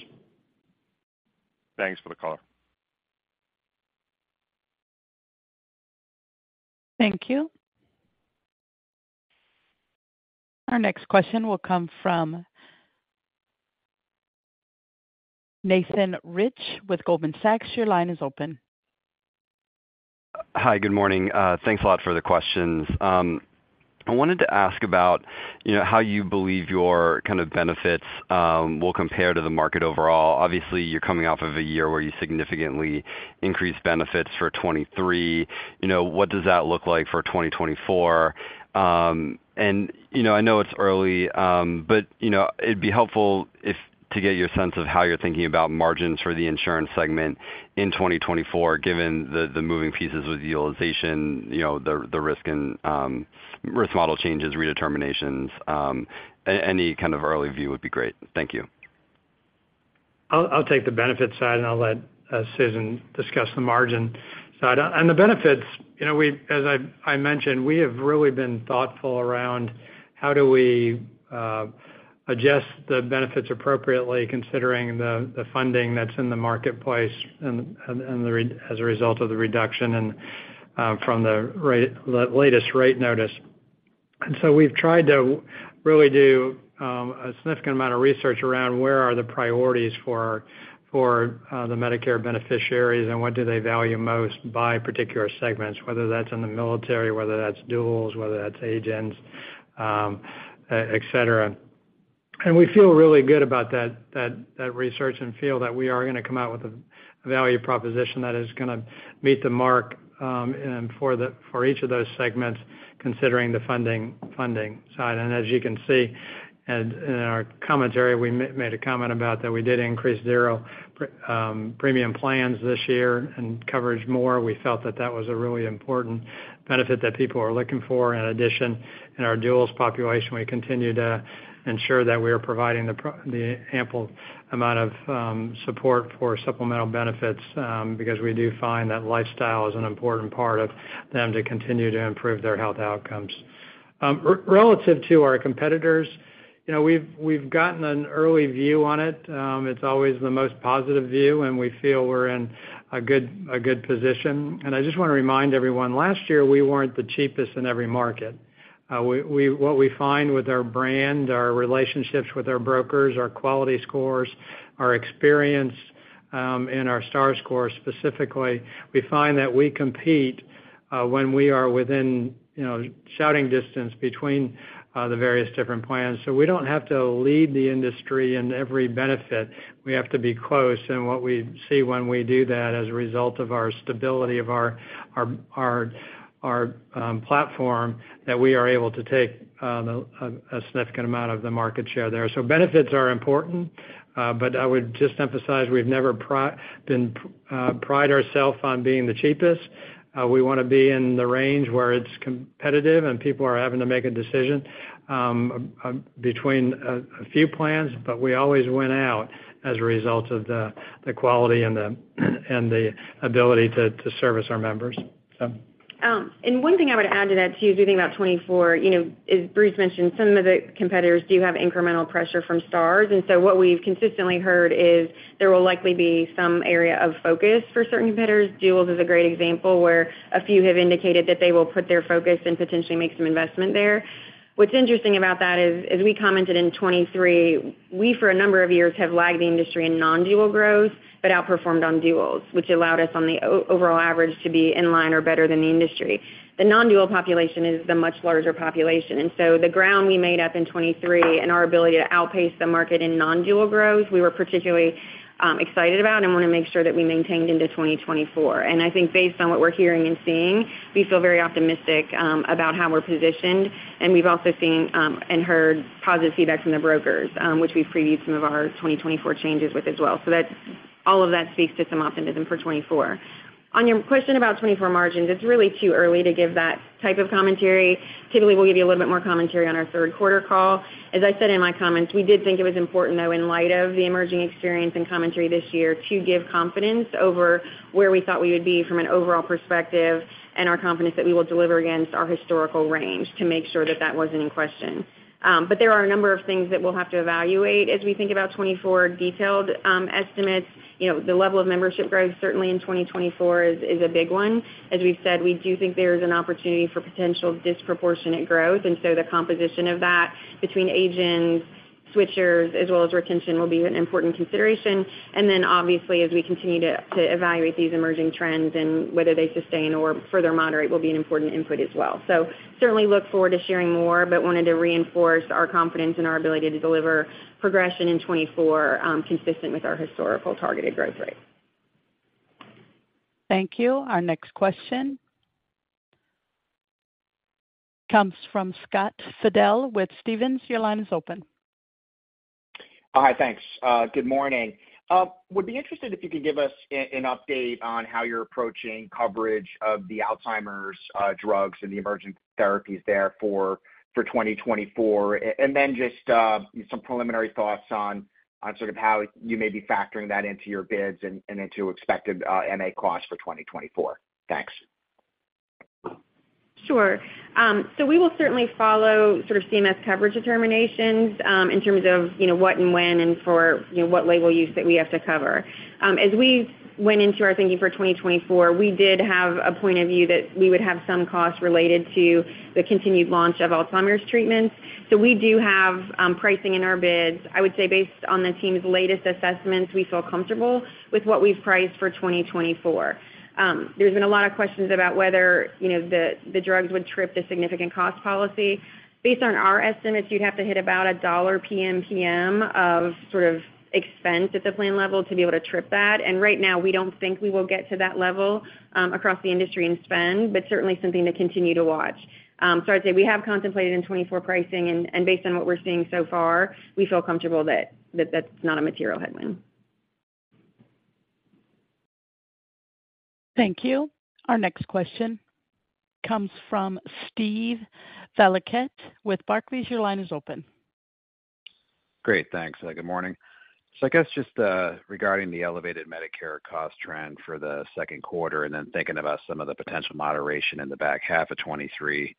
Thanks for the call. Thank you. Our next question will come from Nathan Rich with Goldman Sachs. Your line is open. Hi, good morning. Thanks a lot for the questions. I wanted to ask about, you know, how you believe your kind of benefits will compare to the market overall. Obviously, you're coming off of a year where you significantly increased benefits for 2023. You know, what does that look like for 2024? I know it's early, but, you know, it'd be helpful if to get you a sense of how you're thinking about margins for the insurance segment in 2024, given the, the moving pieces with utilization, you know, the, the risk and risk model changes, redeterminations, any kind of early view would be great. Thank you. I'll, I'll take the benefit side, and I'll let Susan discuss the margin side. On the benefits, you know, as I, I mentioned, we have really been thoughtful around how do we adjust the benefits appropriately, considering the, the funding that's in the marketplace and, and, and as a result of the reduction and from the latest rate notice. So we've tried to really do a significant amount of research around where are the priorities for, for the Medicare beneficiaries, and what do they value most by particular segments, whether that's in the military, whether that's duals, whether that's agents, et cetera. We feel really good about that research and feel that we are gonna come out with a value proposition that is gonna meet the mark, and for the, for each of those segments, considering the funding, funding side. As you can see, and in our commentary, we made a comment about that we did increase 0 premium plans this year and coverage more. We felt that that was a really important benefit that people are looking for. In addition, in our duals population, we continue to ensure that we are providing the ample amount of support for supplemental benefits, because we do find that lifestyle is an important part of them to continue to improve their health outcomes. Relative to our competitors, you know, we've, we've gotten an early view on it. It's always the most positive view, we feel we're in a good, a good position. I just want to remind everyone, last year, we weren't the cheapest in every market. We, what we find with our brand, our relationships with our brokers, our quality scores, our experience, and our Stars score, specifically, we find that we compete, when we are within, you know, shouting distance between the various different plans. We don't have to lead the industry in every benefit. We have to be close, what we see when we do that as a result of our stability of our, our, our, our, platform, that we are able to take a, a significant amount of the market share there. Benefits are important, but I would just emphasize, we've never been pride ourselves on being the cheapest. We wanna be in the range where it's competitive and people are having to make a decision between a few plans, but we always went out as a result of the quality and the ability to service our members. One thing I would add to that, too, as we think about 2024, you know, as Bruce mentioned, some of the competitors do have incremental pressure from Stars. So what we've consistently heard is there will likely be some area of focus for certain competitors. duals is a great example, where a few have indicated that they will put their focus and potentially make some investment there. What's interesting about that is, as we commented in 2023, we, for a number of years, have lagged the industry in non-dual growth, but outperformed on duals, which allowed us on the overall average to be in line or better than the industry. The non-dual population is the much larger population, the ground we made up in 2023 and our ability to outpace the market in non-dual growth, we were particularly excited about and want to make sure that we maintained into 2024. Based on what we're hearing and seeing, we feel very optimistic about how we're positioned. We've also seen and heard positive feedback from the brokers, which we've previewed some of our 2024 changes with as well. All of that speaks to some optimism for 2024. On your question about 2024 margins, it's really too early to give that type of commentary. Typically, we'll give you a little bit more commentary on our third quarter call. As I said in my comments, we did think it was important, though, in light of the emerging experience and commentary this year, to give confidence over where we thought we would be from an overall perspective, and our confidence that we will deliver against our historical range to make sure that that wasn't in question. There are a number of things that we'll have to evaluate as we think about 2024 detailed, estimates. You know, the level of membership growth, certainly in 2024 is, is a big one. As we've said, we do think there is an opportunity for potential disproportionate growth, and so the composition of that between agents, switchers, as well as retention, will be an important consideration. Then obviously, as we continue to evaluate these emerging trends and whether they sustain or further moderate, will be an important input as well. Certainly look forward to sharing more, but wanted to reinforce our confidence in our ability to deliver progression in 2024, consistent with our historical targeted growth rate. Thank you. Our next question comes from Scott Fidel with Stephens. Your line is open. Hi, thanks. Good morning. Would be interested if you could give us an update on how you're approaching coverage of the Alzheimer's drugs and the emerging therapies there for 2024. Just some preliminary thoughts on sort of how you may be factoring that into your bids and into expected MA costs for 2024. Thanks. Sure. We will certainly follow sort of CMS coverage determinations, in terms of, you know, what and when and for, you know, what label use that we have to cover. As we went into our thinking for 2024, we did have a point of view that we would have some costs related to the continued launch of Alzheimer's treatments. We do have pricing in our bids. I would say based on the team's latest assessments, we feel comfortable with what we've priced for 2024. There's been a lot of questions about whether, you know, the, the drugs would trip the significant cost policy. Based on our estimates, you'd have to hit about a $1 PMPM of sort of expense at the plan level to be able to trip that. Right now, we don't think we will get to that level across the industry and spend, but certainly something to continue to watch. I'd say we have contemplated in 2024 pricing, and based on what we're seeing so far, we feel comfortable that that's not a material headwind. Thank you. Our next question comes from Steven Valiquette with Barclays. Your line is open. Great, thanks. Good morning. I guess just regarding the elevated Medicare cost trend for the second quarter, thinking about some of the potential moderation in the back half of 2023,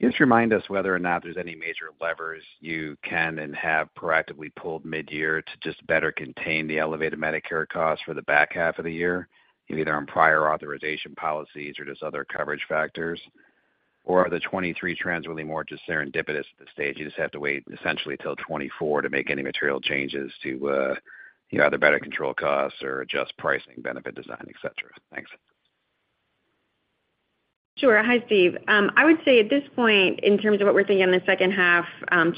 just remind us whether or not there's any major levers you can and have proactively pulled mid-year to just better contain the elevated Medicare costs for the back half of the year, either on prior authorization policies or just other coverage factors. Are the 2023 trends really more just serendipitous at this stage, you just have to wait essentially till 2024 to make any material changes to, you know, either better control costs or adjust pricing, benefit design, et cetera? Thanks. Sure. Hi, Steve. I would say at this point, in terms of what we're thinking on the second half,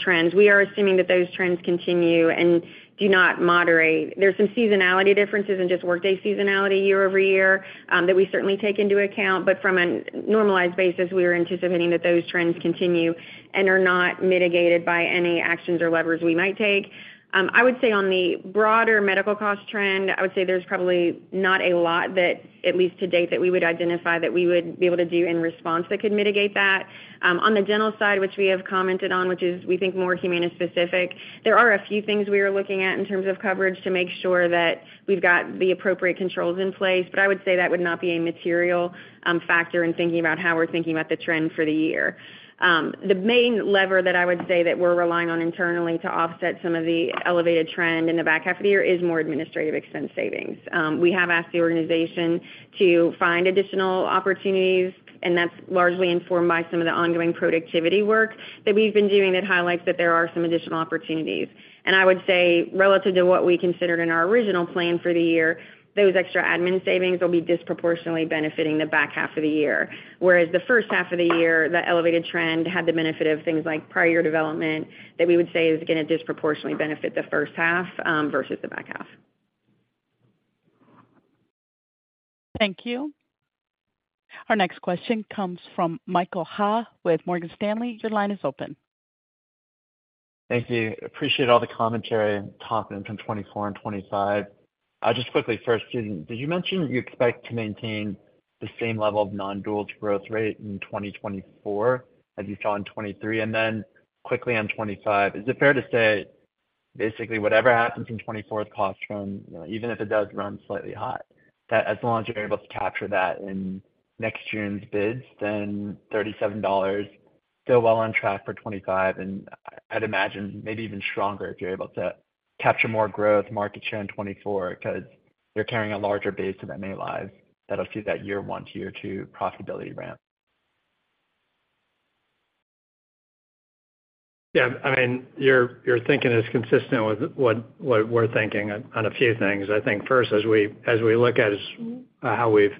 trends, we are assuming that those trends continue and do not moderate. There's some seasonality differences and just workday seasonality year-over-year, that we certainly take into account. From a normalized basis, we are anticipating that those trends continue and are not mitigated by any actions or levers we might take. I would say on the broader medical cost trend, I would say there's probably not a lot that, at least to date, that we would identify that we would be able to do in response that could mitigate that. On the dental side, which we have commented on, which is, we think, more Humana specific, there are a few things we are looking at in terms of coverage to make sure that we've got the appropriate controls in place, but I would say that would not be a material factor in thinking about how we're thinking about the trend for the year. The main lever that I would say that we're relying on internally to offset some of the elevated trend in the back half of the year is more administrative expense savings. We have asked the organization to find additional opportunities, and that's largely informed by some of the ongoing productivity work that we've been doing that highlights that there are some additional opportunities. I would say relative to what we considered in our original plan for the year, those extra admin savings will be disproportionately benefiting the back half of the year. Whereas the first half of the year, the elevated trend had the benefit of things like Prior Year Development that we would say is gonna disproportionately benefit the first half versus the back half. Thank you. Our next question comes from Michael Ha with Morgan Stanley. Your line is open. Thank you. Appreciate all the commentary and talking from 2024 and 2025. Just quickly, first, did you mention you expect to maintain the same level of non-dual growth rate in 2024 as you saw in 2023? Then quickly on 2025, is it fair to say basically whatever happens in 2024 with cost trend, you know, even if it does run slightly hot, that as long as you're able to capture that in next year's bids, then $37 still well on track for 2025, and I'd imagine maybe even stronger if you're able to capture more growth market share in 2024 because you're carrying a larger base of MA lives that'll see that year 1 to year 2 profitability ramp? Yeah, I mean, your, your thinking is consistent with what, what we're thinking on, on a few things. I think first, as we, as we look at how we've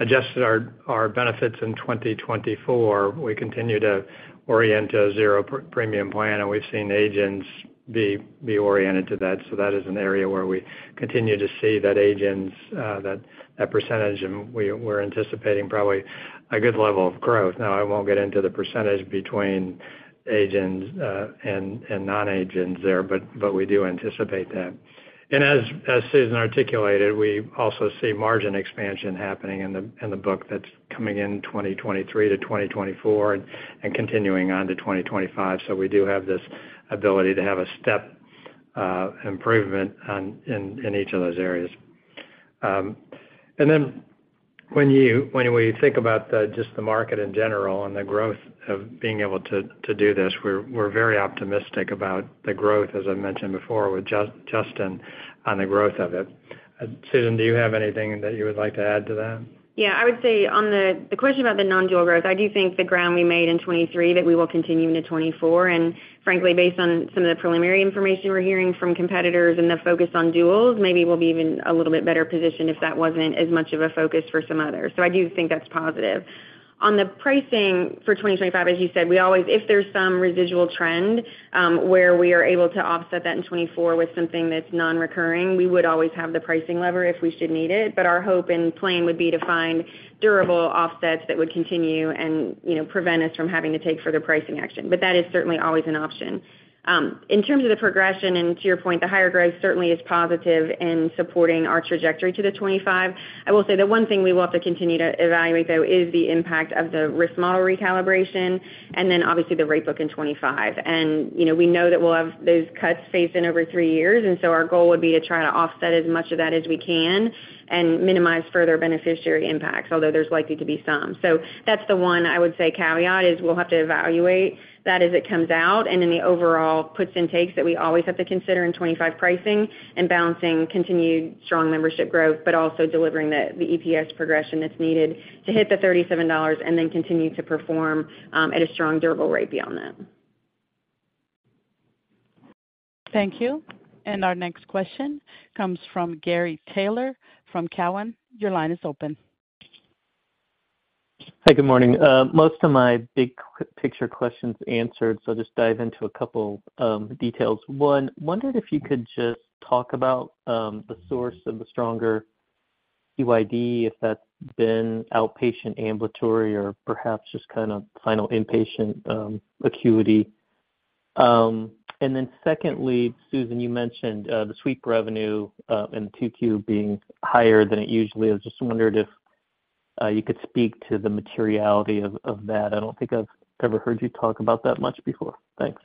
adjusted our, our benefits in 2024, we continue to orient a zero premium plan, and we've seen agents be, be oriented to that. That is an area where we continue to see that agents, that, that percentage, and we're anticipating probably a good level of growth. I won't get into the percentage between agents, and, and non-agents there, but, but we do anticipate that. As, as Susan articulated, we also see margin expansion happening in the, in the book that's coming in 2023 to 2024 and continuing on to 2025. We do have this ability to have a step improvement in each of those areas. When we think about the, just the market in general and the growth of being able to, to do this, we're, we're very optimistic about the growth, as I mentioned before, with Justin, on the growth of it. Susan, do you have anything that you would like to add to that? Yeah, I would say on the question about the non-dual growth, I do think the ground we made in 2023, that we will continue into 2024. Frankly, based on some of the preliminary information we're hearing from competitors and the focus on duals, maybe we'll be even a little bit better positioned if that wasn't as much of a focus for some others. I do think that's positive. On the pricing for 2025, as you said, we always-- if there's some residual trend, where we are able to offset that in 2024 with something that's non-recurring, we would always have the pricing lever if we should need it. Our hope and plan would be to find durable offsets that would continue and, you know, prevent us from having to take further pricing action. That is certainly always an option. In terms of the progression, and to your point, the higher growth certainly is positive in supporting our trajectory to the 2025. I will say the one thing we will have to continue to evaluate, though, is the impact of the risk model recalibration and then obviously the rate book in 2025. You know, we know that we'll have those cuts phased in over 3 years, our goal would be to try to offset as much of that as we can and minimize further beneficiary impacts, although there's likely to be some. That's the one I would say caveat, is we'll have to evaluate that as it comes out, and then the overall puts and takes that we always have to consider in 2025 pricing and balancing continued strong membership growth, but also delivering the, the EPS progression that's needed to hit the $37 and then continue to perform at a strong durable rate beyond that. Thank you. Our next question comes from Gary Taylor from Cowen. Your line is open. Hi, good morning. most of my big picture questions answered, so I'll just dive into a couple, details. One, wondered if you could just talk about, the source of the stronger PYD, if that's been outpatient, ambulatory, or perhaps just kind of final inpatient, acuity. Secondly, Susan, you mentioned, the sweep revenue, in 2Q being higher than it usually is. Just wondered if, you could speak to the materiality of, of that. I don't think I've ever heard you talk about that much before. Thanks.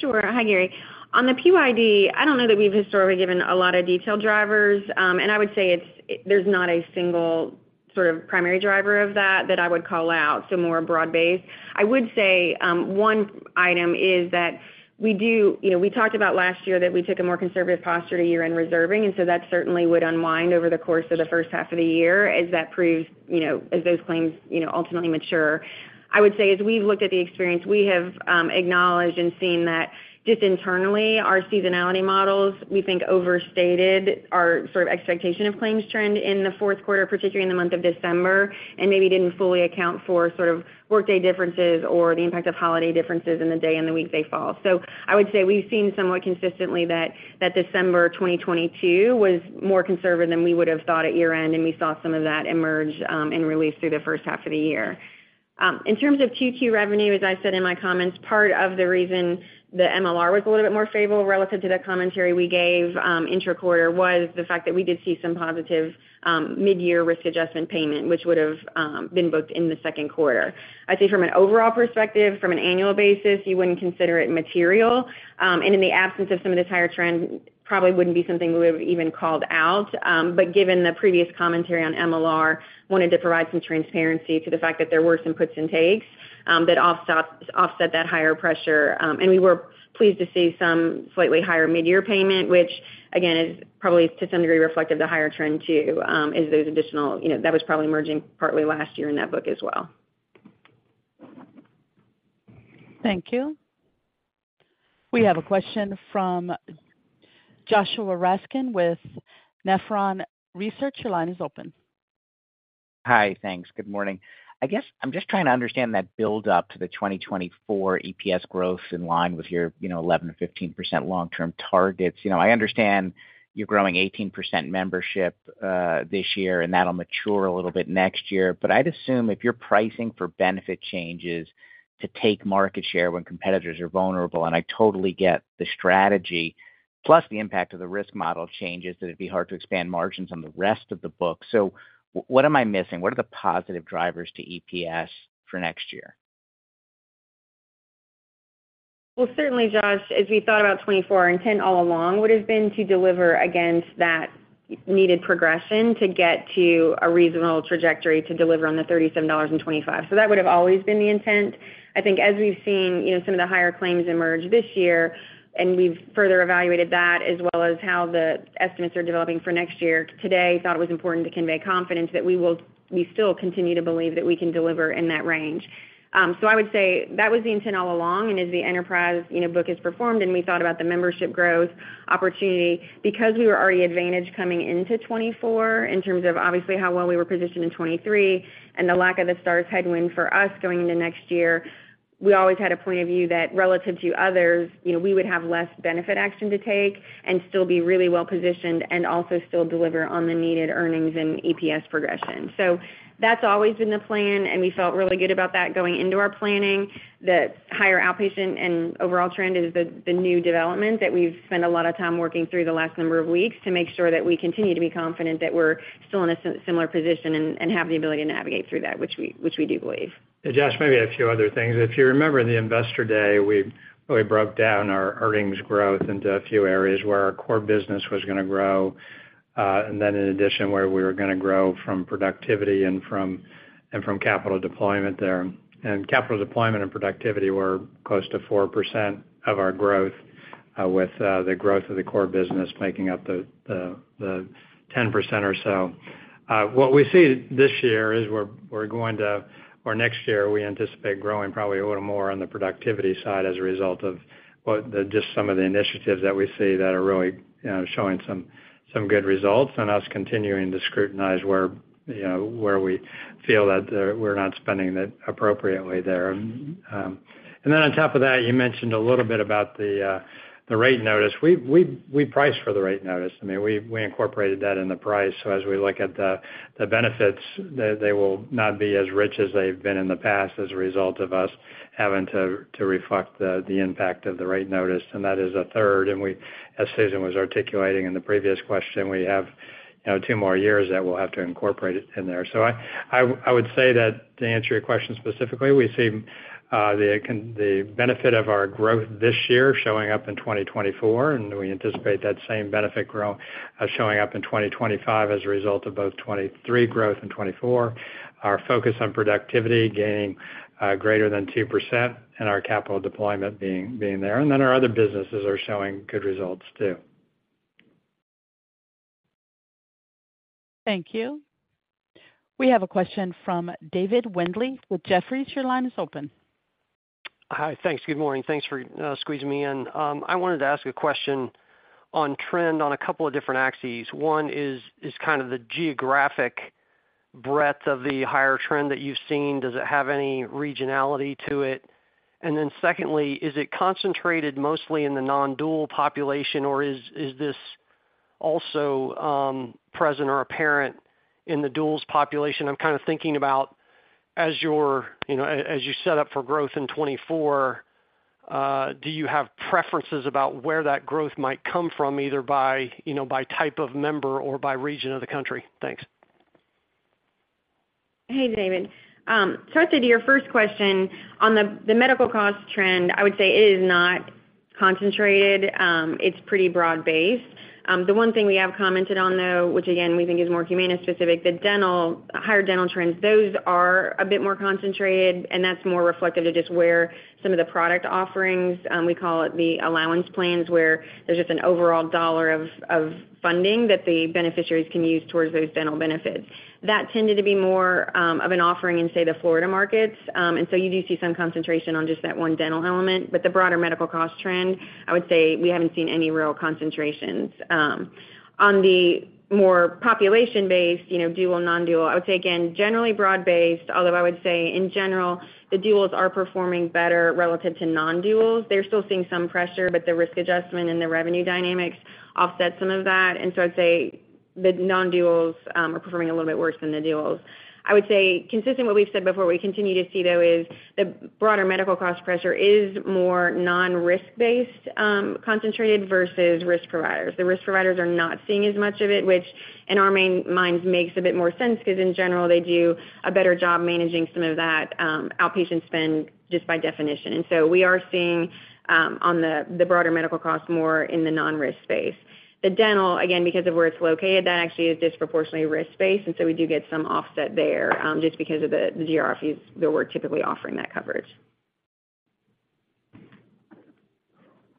Sure. Hi, Gary. On the PYD, I don't know that we've historically given a lot of detailed drivers. I would say it's there's not a single sort of primary driver of that, that I would call out, so more broad-based. I would say, one item is that we do... You know, we talked about last year that we took a more conservative posture to year-end reserving, so that certainly would unwind over the course of the first half of the year as that proves, you know, as those claims, you know, ultimately mature. I would say, as we've looked at the experience, we have acknowledged and seen that just internally, our seasonality models, we think, overstated our sort of expectation of claims trend in the fourth quarter, particularly in the month of December, and maybe didn't fully account for sort of workday differences or the impact of holiday differences in the day and the week they fall. I would say we've seen somewhat consistently that, that December 2022 was more conservative than we would have thought at year-end, and we saw some of that emerge and release through the first half of the year. In terms of 2Q revenue, as I said in my comments, part of the reason the MLR was a little bit more favorable relative to the commentary we gave, inter quarter, was the fact that we did see some positive, mid-year risk adjustment payment, which would've been booked in the second quarter. I'd say from an overall perspective, from an annual basis, you wouldn't consider it material, and in the absence of some of this higher trend, probably wouldn't be something we would have even called out. But given the previous commentary on MLR, wanted to provide some transparency to the fact that there were some puts and takes that offset that higher pressure. We were pleased to see some slightly higher mid-year payment, which again, is probably to some degree reflective of the higher trend too, as those additional, you know, that was probably emerging partly last year in that book as well. Thank you. We have a question from Joshua Raskin with Nephron Research. Your line is open. Hi, thanks. Good morning. I guess I'm just trying to understand that build up to the 2024 EPS growth in line with your, you know, 11%-15% long-term targets. You know, I understand you're growing 18% membership this year, and that'll mature a little bit next year. I'd assume if you're pricing for benefit changes to take market share when competitors are vulnerable, and I totally get the strategy, plus the impact of the risk model changes, that it'd be hard to expand margins on the rest of the book. What am I missing? What are the positive drivers to EPS for next year? Well, certainly, Josh, as we thought about 2024, our intent all along would have been to deliver against needed progression to get to a reasonable trajectory to deliver on the $37.25. That would have always been the intent. I think as we've seen, you know, some of the higher claims emerge this year, and we've further evaluated that as well as how the estimates are developing for next year, today thought it was important to convey confidence that we still continue to believe that we can deliver in that range. I would say that was the intent all along, and as the enterprise, you know, book is performed, and we thought about the membership growth opportunity because we were already advantaged coming into 2024 in terms of obviously how well we were positioned in 2023 and the lack of the Stars headwind for us going into next year. We always had a point of view that relative to others, you know, we would have less benefit action to take and still be really well positioned and also still deliver on the needed earnings and EPS progression. That's always been the plan, and we felt really good about that going into our planning. The higher outpatient and overall trend is the, the new development that we've spent a lot of time working through the last number of weeks to make sure that we continue to be confident that we're still in a similar position and, and have the ability to navigate through that, which we, which we do believe. Josh, maybe a few other things. If you remember the Investor Day, we really broke down our earnings growth into a few areas where our core business was gonna grow, and then in addition, where we were gonna grow from productivity and from, and from capital deployment there. Capital deployment and productivity were close to 4% of our growth, with the growth of the core business making up the, the, the 10% or so. What we see this year is we're, we're going to-- or next year, we anticipate growing probably a little more on the productivity side as a result of what the, just some of the initiatives that we see that are really, you know, showing some, some good results, and us continuing to scrutinize where, you know, where we feel that we're not spending it appropriately there. Then on top of that, you mentioned a little bit about the rate notice. We, we, we priced for the rate notice. I mean, we, we incorporated that in the price. As we look at the benefits, they will not be as rich as they've been in the past as a result of us having to reflect the impact of the rate notice, and that is a 3rd. We, as Susan was articulating in the previous question, we have, you know, 2 more years that we'll have to incorporate it in there. I, I, I would say that to answer your question specifically, we see the benefit of our growth this year showing up in 2024, and we anticipate that same benefit grow, showing up in 2025 as a result of both 23 growth and 24. Our focus on productivity gaining, greater than 2% and our capital deployment being, being there, and then our other businesses are showing good results, too. Thank you. We have a question from David Windley with Jefferies. Your line is open. Hi, thanks. Good morning. Thanks for squeezing me in. I wanted to ask a question on trend on a couple of different axes. One is, is kind of the geographic breadth of the higher trend that you've seen. Does it have any regionality to it? Secondly, is it concentrated mostly in the non-dual population, or is, is this also present or apparent in the duals population? I'm kind of thinking about as your, you know, as, as you set up for growth in 2024, do you have preferences about where that growth might come from, either by, you know, by type of member or by region of the country? Thanks. Hey, David. I'd say to your first question, on the medical cost trend, I would say it is not concentrated, it's pretty broad-based. The one thing we have commented on, though, which again, we think is more Humana specific, the dental, higher dental trends, those are a bit more concentrated, and that's more reflective of just where some of the product offerings, we call it the allowance plans, where there's just an overall $ of funding that the beneficiaries can use towards those dental benefits. That tended to be more of an offering in, say, the Florida markets. So you do see some concentration on just that one dental element. The broader medical cost trend, I would say we haven't seen any real concentrations. On the more population-based, you know, dual, non-dual, I would say, again, generally broad-based, although I would say in general, the duals are performing better relative to non-duals. They're still seeing some pressure, but the risk adjustment and the revenue dynamics offset some of that. I'd say the non-duals are performing a little bit worse than the duals. I would say, consistent with what we've said before, we continue to see, though, is the broader medical cost pressure is more non-risk-based, concentrated versus risk providers. The risk providers are not seeing as much of it, which in our main minds, makes a bit more sense because in general, they do a better job managing some of that outpatient spend just by definition. We are seeing on the, the broader medical costs more in the non-risk space. The dental, again, because of where it's located, that actually is disproportionately risk-based, and so we do get some offset there, just because of the GRFs, where we're typically offering that coverage.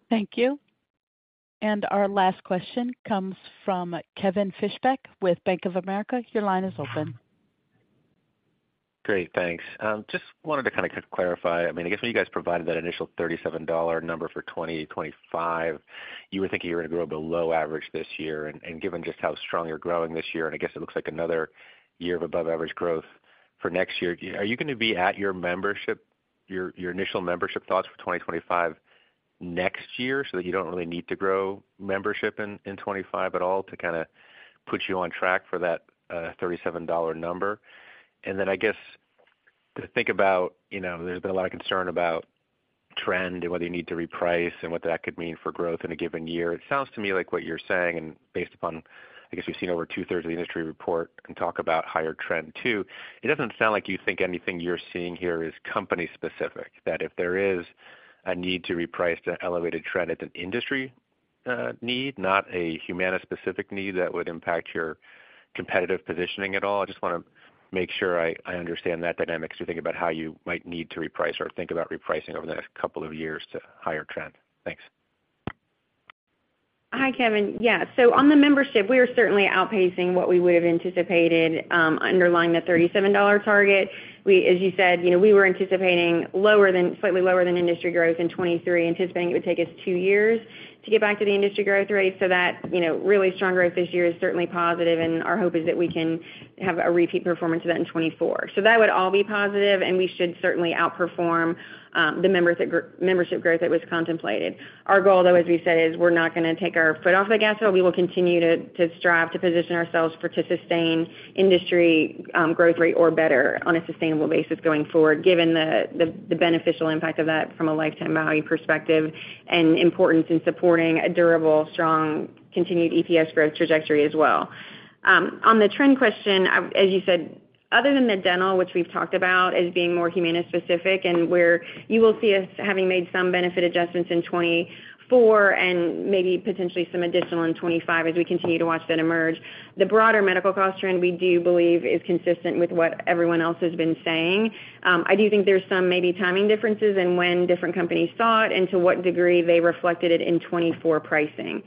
Thank you. Our last question comes from Kevin Fischbeck with Bank of America. Your line is open. Great, thanks. Just wanted to kind of clarify. I mean, I guess when you guys provided that initial $37 number for 2025, you were thinking you were gonna grow below average this year. Given just how strong you're growing this year, and I guess it looks like another year of above-average growth for next year, are you gonna be at your membership, your, your initial membership thoughts for 2025 next year, so that you don't really need to grow membership in, in 2025 at all to kind of put you on track for that $37 number? I guess to think about, you know, there's been a lot of concern about trend and whether you need to reprice and what that could mean for growth in a given year. It sounds to me like what you're saying, and based upon, I guess, we've seen over two-thirds of the industry report and talk about higher trend, too. It doesn't sound like you think anything you're seeing here is company specific, that if there is a need to reprice the elevated trend at an industry- Need, not a Humana-specific need that would impact your competitive positioning at all? I just wanna make sure I, I understand that dynamic as you think about how you might need to reprice or think about repricing over the next couple of years to higher trend. Thanks. Hi, Kevin. Yeah, on the membership, we are certainly outpacing what we would have anticipated, underlying the $37 target. We, as you said, you know, we were anticipating lower than, slightly lower than industry growth in 2023, anticipating it would take us 2 years to get back to the industry growth rate. That, you know, really strong growth this year is certainly positive, and our hope is that we can have a repeat performance of that in 2024. That would all be positive, and we should certainly outperform, the membership membership growth that was contemplated. Our goal, though, as we said, is we're not gonna take our foot off the gas, so we will continue to, to strive to position ourselves for, to sustain industry, growth rate or better on a sustainable basis going forward, given the, the, the beneficial impact of that from a lifetime value perspective and importance in supporting a durable, strong, continued EPS growth trajectory as well. On the trend question, as you said, other than the dental, which we've talked about as being more Humana-specific, and where you will see us having made some benefit adjustments in 2024 and maybe potentially some additional in 2025 as we continue to watch that emerge. The broader medical cost trend, we do believe is consistent with what everyone else has been saying. I do think there's some maybe timing differences in when different companies saw it and to what degree they reflected it in 2024 pricing.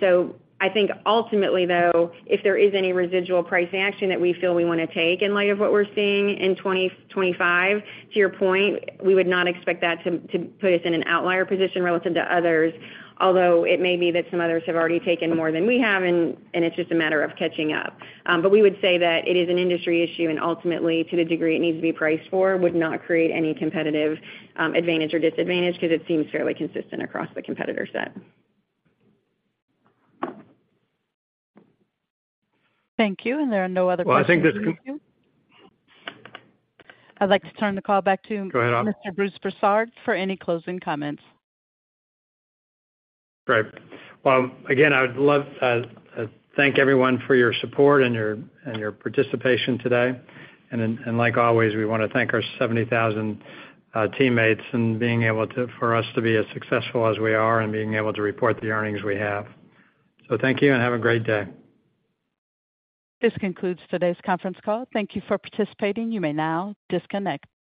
So I think ultimately, though, if there is any residual pricing action that we feel we wanna take in light of what we're seeing in 2025, to your point, we would not expect that to, to put us in an outlier position relative to others. It may be that some others have already taken more than we have, and it's just a matter of catching up. We would say that it is an industry issue, and ultimately, to the degree it needs to be priced for, would not create any competitive advantage or disadvantage because it seems fairly consistent across the competitor set. Thank you. There are no other questions. Well, I think this could- I'd like to turn the call back to. Go ahead. Mr. Bruce Broussard for any closing comments. Great. Well, again, I would love, thank everyone for your support and your, and your participation today. Like always, we wanna thank our 70,000 teammates in being able to... for us to be as successful as we are and being able to report the earnings we have. Thank you and have a great day. This concludes today's conference call. Thank you for participating. You may now disconnect.